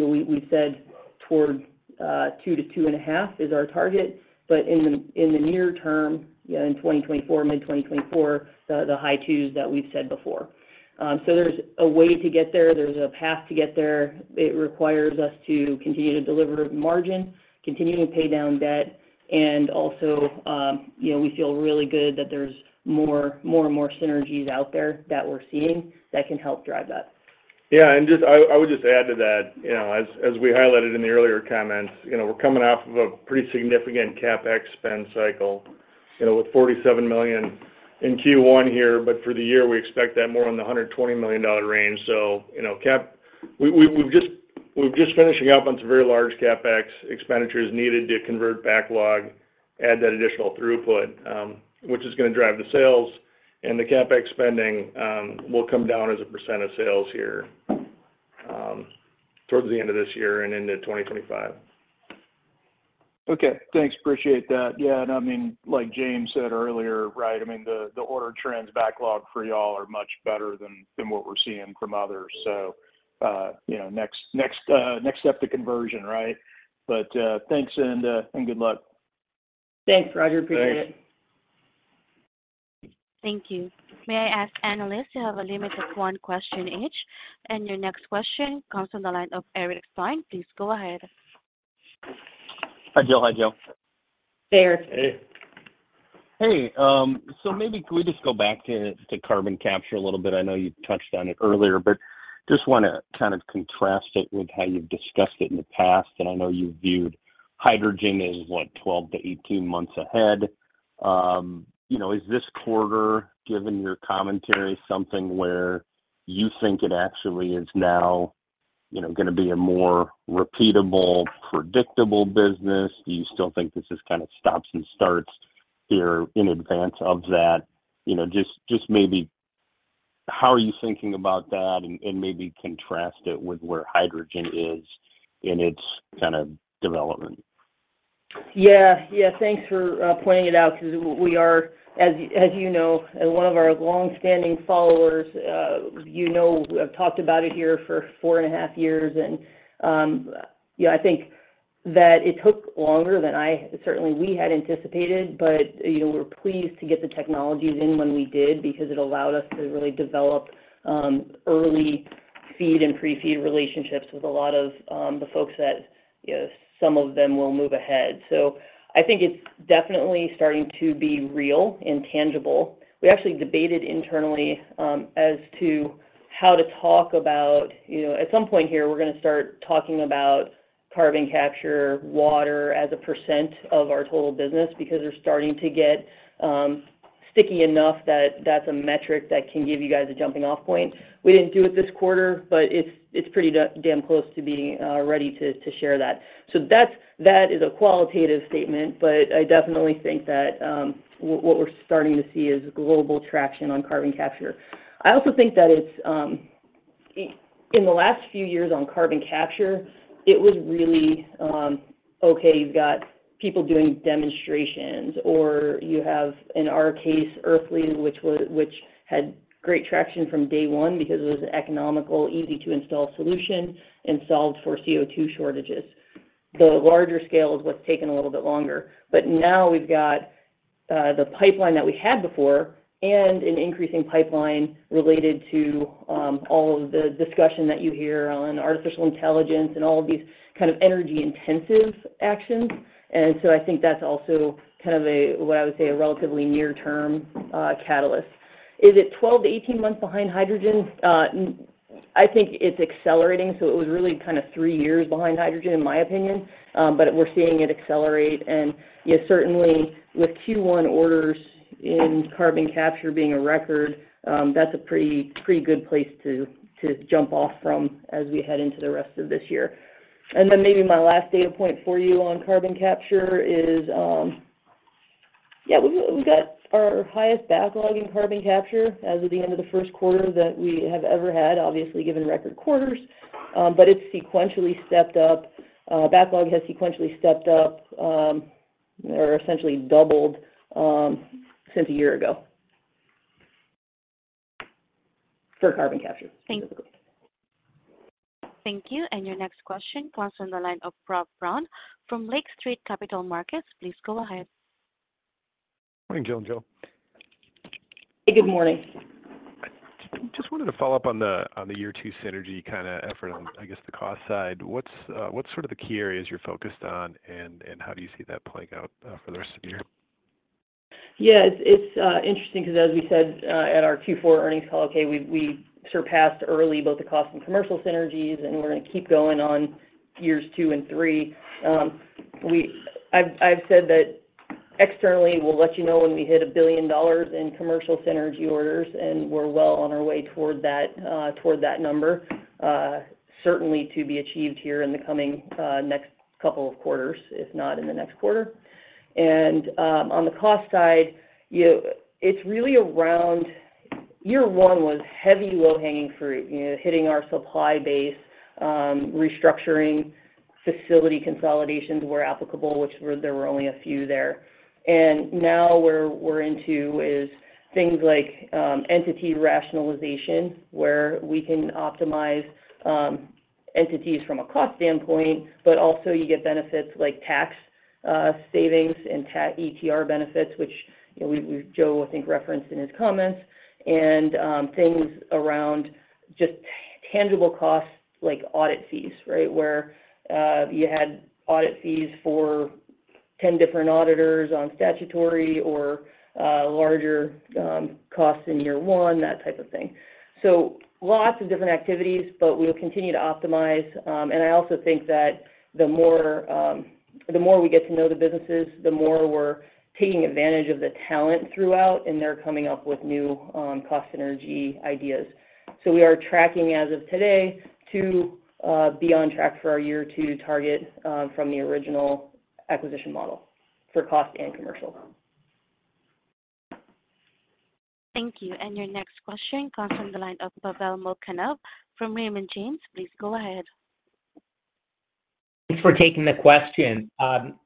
know, we said towards 2 to 2.5 is our target, but in the near term, yeah, in 2024, mid-2024, the high twos that we've said before. So there's a way to get there, there's a path to get there. It requires us to continue to deliver margin, continuing to pay down debt, and also, you know, we feel really good that there's more, more and more synergies out there that we're seeing that can help drive that. Yeah, and I would just add to that, you know, as we highlighted in the earlier comments, you know, we're coming off of a pretty significant CapEx spend cycle, you know, with $47 million in Q1 here, but for the year, we expect that more in the $120 million range. So, you know, we're just finishing up on some very large CapEx expenditures needed to convert backlog, add that additional throughput, which is gonna drive the sales, and the CapEx spending will come down as a percent of sales here, towards the end of this year and into 2025. Okay, thanks. Appreciate that. Yeah, and I mean, like James said earlier, right, I mean, the order trends backlog for y'all are much better than what we're seeing from others. So, you know, next step to conversion, right? But, thanks, and good luck. Thanks, Roger. Appreciate it. Thanks. Thank you. May I ask analysts, you have a limit of one question each, and your next question comes from the line of Eric Stine. Please go ahead. Hi, Jill. Hi, Jill. Hey, Eric. Hey. Hey, so maybe can we just go back to carbon capture a little bit? I know you touched on it earlier, but just wanna kind of contrast it with how you've discussed it in the past. And I know you viewed hydrogen as, what, 12 to 18 months ahead. You know, is this quarter, given your commentary, something4 where you think it actually is now, you know, gonna be a more repeatable, predictable business? Do you still think this is kind of stops and starts here in advance of that? You know, just, just maybe how are you thinking about that? And maybe contrast it with where hydrogen is in its kind of development. Yeah. Yeah, thanks for pointing it out because we are, as you, as you know, as one of our long-standing followers, you know, we have talked about it here for four and a half years. And yeah, I think that it took longer than I certainly we had anticipated, but, you know, we're pleased to get the technologies in when we did because it allowed us to really develop early feed and pre-feed relationships with a lot of the folks that, you know, some of them will move ahead. So I think it's definitely starting to be real and tangible. We actually debated internally, as to how to talk about... You know, at some point here, we're gonna start talking about carbon capture, water as a percent of our total business, because they're starting to get, sticky enough that that's a metric that can give you guys a jumping-off point. We didn't do it this quarter, but it's, it's pretty damn close to being, ready to, to share that. So that's, that is a qualitative statement, but I definitely think that, what, what we're starting to see is global traction on carbon capture. I also think that it's, in the last few years on carbon capture, it was really, okay, you've got people doing demonstrations, or you have, in our case, Earthly, which was, which had great traction from day one because it was an economical, easy-to-install solution and solved for CO2 shortages. The larger scale is what's taken a little bit longer. But now we've got the pipeline that we had before and an increasing pipeline related to all of the discussion that you hear on artificial intelligence and all of these kind of energy-intensive actions. And so I think that's also kind of a, what I would say, a relatively near-term catalyst. Is it 12 to 18 months behind hydrogen? I think it's accelerating, so it was really kind of three years behind hydrogen, in my opinion. But we're seeing it accelerate. And, yeah, certainly, with Q1 orders in carbon capture being a record, that's a pretty, pretty good place to jump off from as we head into the rest of this year. Then maybe my last data point for you on carbon capture is, we, we got our highest backlog in carbon capture as of the end of the Q1 that we have ever had, obviously, given record quarters. But it's sequentially stepped up. Backlog has sequentially stepped up, or essentially doubled, since a year ago for carbon capture. Thanks. Thank you. And your next question comes from the line of Rob Brown from Lake Street Capital Markets. Please go ahead. Morning, Jill and Jill. Good morning. I just wanted to follow up on the, on the year two synergy kinda effort on, I guess, the cost side. What's sort of the key areas you're focused on, and how do you see that playing out for the rest of the year? Yeah, it's interesting, because as we said at our Q4 earnings call, okay, we surpassed early both the cost and commercial synergies, and we're gonna keep going on years two and three. I've said that externally, we'll let you know when we hit $1 billion in commercial synergy orders, and we're well on our way toward that, toward that number, certainly to be achieved here in the coming next couple of quarters, if not in the next quarter. And, on the cost side, it's really around year one was heavy, low-hanging fruit, you know, hitting our supply base, restructuring facility consolidations where applicable, which there were only a few there. And now we're into things like entity rationalization, where we can optimize entities from a cost standpoint, but also you get benefits like tax savings and tax ETR benefits, which, you know, Joe, I think, referenced in his comments. And things around just tangible costs like audit fees, right? Where you had audit fees for 10 different auditors on statutory or larger costs in year one, that type of thing. So lots of different activities, but we will continue to optimize. And I also think that the more we get to know the businesses, the more we're taking advantage of the talent throughout, and they're coming up with new cost synergy ideas. So we are tracking as of today to be on track for our year two target from the original acquisition model for cost and commercial. Thank you. And your next question comes from the line of Pavel Molchanov from Raymond James. Please go ahead. Thanks for taking the question.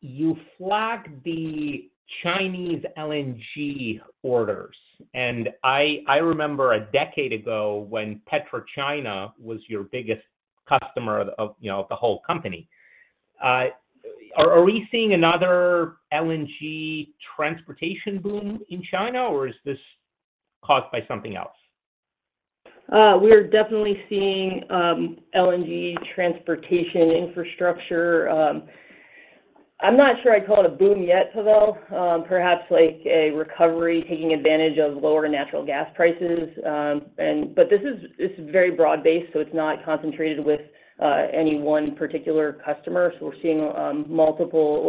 You flagged the Chinese LNG orders, and I remember a decade ago when PetroChina was your biggest customer of, you know, of the whole company. Are we seeing another LNG transportation boom in China, or is this caused by something else? We are definitely seeing LNG transportation infrastructure. I'm not sure I'd call it a boom yet, Pavel. Perhaps like a recovery, taking advantage of lower natural gas prices. But this is very broad-based, so it's not concentrated with any one particular customer. So we're seeing multiple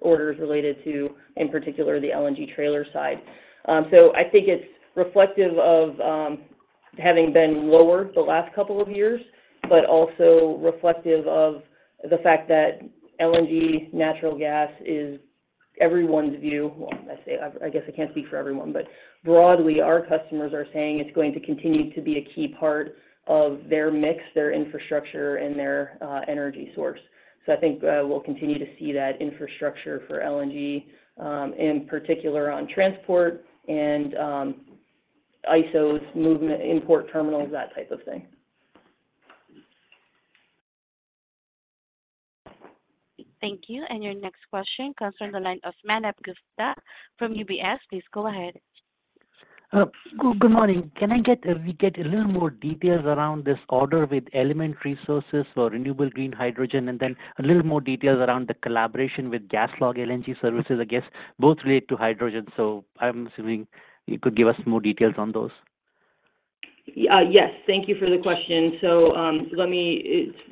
orders related to, in particular, the LNG trailer side. So I think it's reflective of having been lower the last couple of years, but also reflective of the fact that LNG natural gas is everyone's view. Well, I guess I can't speak for everyone, but broadly, our customers are saying it's going to continue to be a key part of their mix, their infrastructure, and their energy source. So I think we'll continue to see that infrastructure for LNG, in particular on transport and ISOs, movement, import terminals, that type of thing. Thank you. Your next question comes from the line of Manav Gupta from UBS. Please go ahead. Good, good morning. Can I get, we get a little more details around this order with Element Resources for renewable green hydrogen, and then a little more details around the collaboration with GasLog LNG Services? I guess both relate to hydrogen, so I'm assuming you could give us more details on those. Yes. Thank you for the question. So,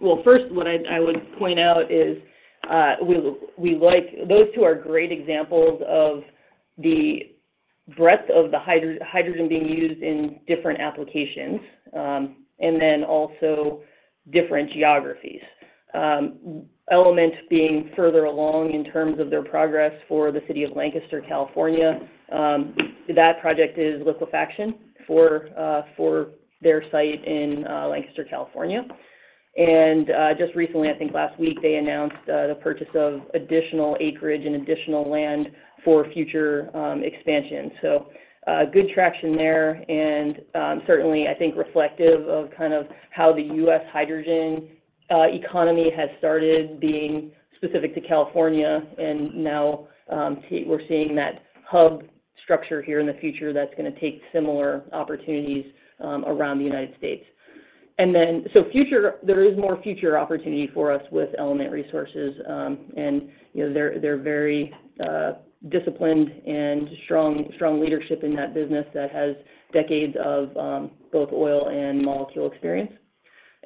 well, first, what I would point out is, we like those two are great examples of the breadth of the hydrogen being used in different applications, and then also different geographies. Element's being further along in terms of their progress for the city of Lancaster, California, that project is liquefaction for their site in Lancaster, California. And, just recently, I think last week, they announced the purchase of additional acreage and additional land for future expansion. So, good traction there, and, certainly, I think, reflective of kind of how the US hydrogen economy has started being specific to California. And now, we're seeing that hub structure here in the future that's gonna take similar opportunities around the United States. And then, there is more future opportunity for us with Element Resources. And, you know, they're, they're very, disciplined and strong, strong leadership in that business that has decades of, both oil and molecule experience.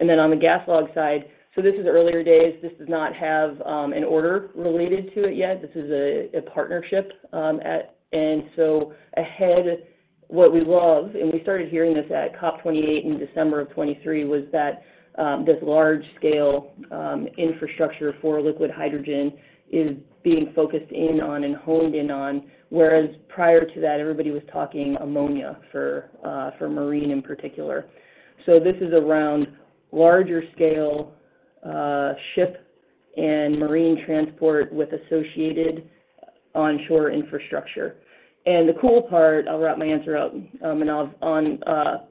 And then on the GasLog side, so this is earlier days. This does not have, an order related to it yet. This is a, a partnership, and so ahead, what we love, and we started hearing this at COP 28 in December 2023, was that, this large-scale, infrastructure for liquid hydrogen is being focused in on and honed in on, whereas prior to that, everybody was talking ammonia for, for marine in particular. So this is around larger scale, ship and marine transport with associated onshore infrastructure. And the cool part, I'll wrap my answer up, Manav, on...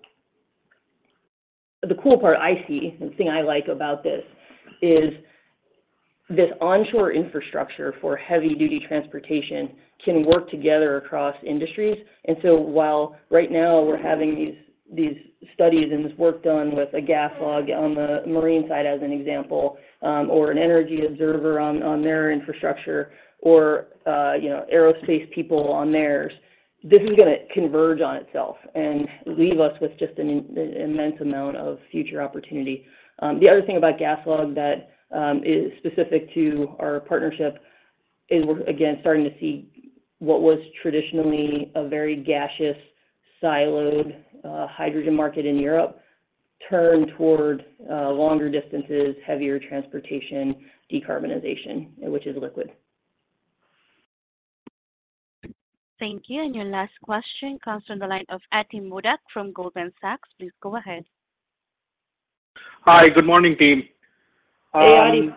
The cool part I see, the thing I like about this is this onshore infrastructure for heavy duty transportation can work together across industries. And so while right now we're having these, these studies and this work done with a GasLog on the marine side as an example, or an Energy Observer on their infrastructure or, you know, aerospace people on theirs, this is gonna converge on itself and leave us with just an immense amount of future opportunity. The other thing about GasLog that is specific to our partnership is we're again, starting to see what was traditionally a very gaseous, siloed, hydrogen market in Europe turn toward longer distances, heavier transportation, decarbonization, which is liquid. Thank you. And your last question comes from the line of Ati Modak from Goldman Sachs. Please go ahead. Hi, good morning, team. Hey, Ati.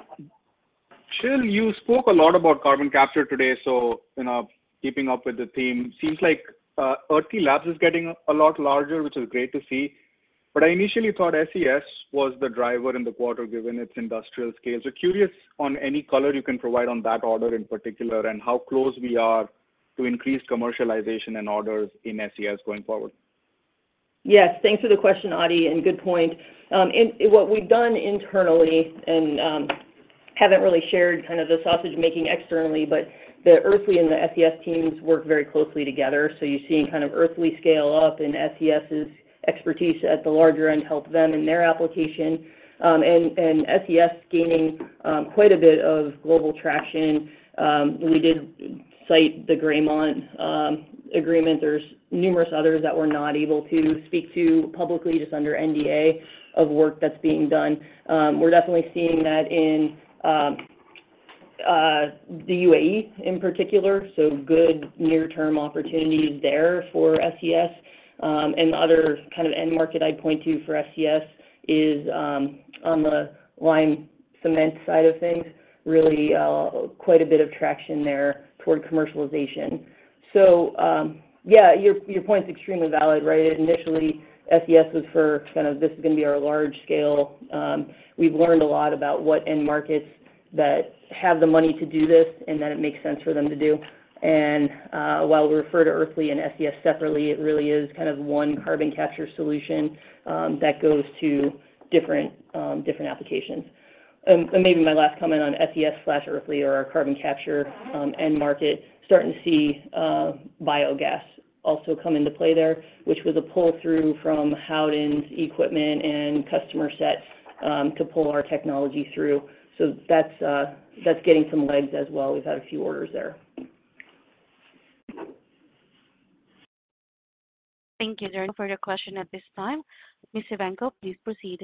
Jill, you spoke a lot about carbon capture today, so, you know, keeping up with the theme. Seems like, Earthly Labs is getting a lot larger, which is great to see, but I initially thought SES was the driver in the quarter, given its industrial scale. So curious on any color you can provide on that order in particular, and how close we are to increased commercialization and orders in SES going forward? Yes, thanks for the question, Ati, and good point. And what we've done internally and, haven't really shared kind of the sausage making externally, but the Earthly and the SES teams work very closely together. So you're seeing kind of Earthly scale up, and SES's expertise at the larger end help them in their application, and, and SES gaining, quite a bit of global traction. We did cite the Graymont, agreement. There's numerous others that we're not able to speak to publicly, just under NDA, of work that's being done. We're definitely seeing that in, the UAE in particular, so good near-term opportunities there for SES. And the other kind of end market I'd point to for SES is, on the lime cement side of things, really, quite a bit of traction there toward commercialization. So, yeah, your, your point is extremely valid, right? Initially, SES was for kind of, this is going to be our large scale. We've learned a lot about what end markets that have the money to do this and that it makes sense for them to do. And, while we refer to Earthly and SES separately, it really is kind of one carbon capture solution, that goes to different, different applications. And maybe my last comment on SES/Earthly or our carbon capture, end market, starting to see, biogas also come into play there, which was a pull-through from Howden's equipment and customer set, to pull our technology through. So that's, that's getting some legs as well. We've had a few orders there. Thank you, there, for your question at this time. Ms. Evanko, please proceed.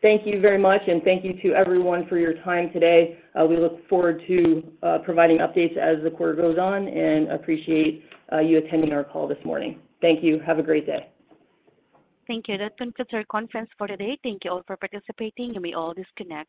Thank you very much, and thank you to everyone for your time today. We look forward to providing updates as the quarter goes on, and appreciate you attending our call this morning. Thank you. Have a great day. Thank you. That concludes our conference for today. Thank you all for participating, you may all disconnect.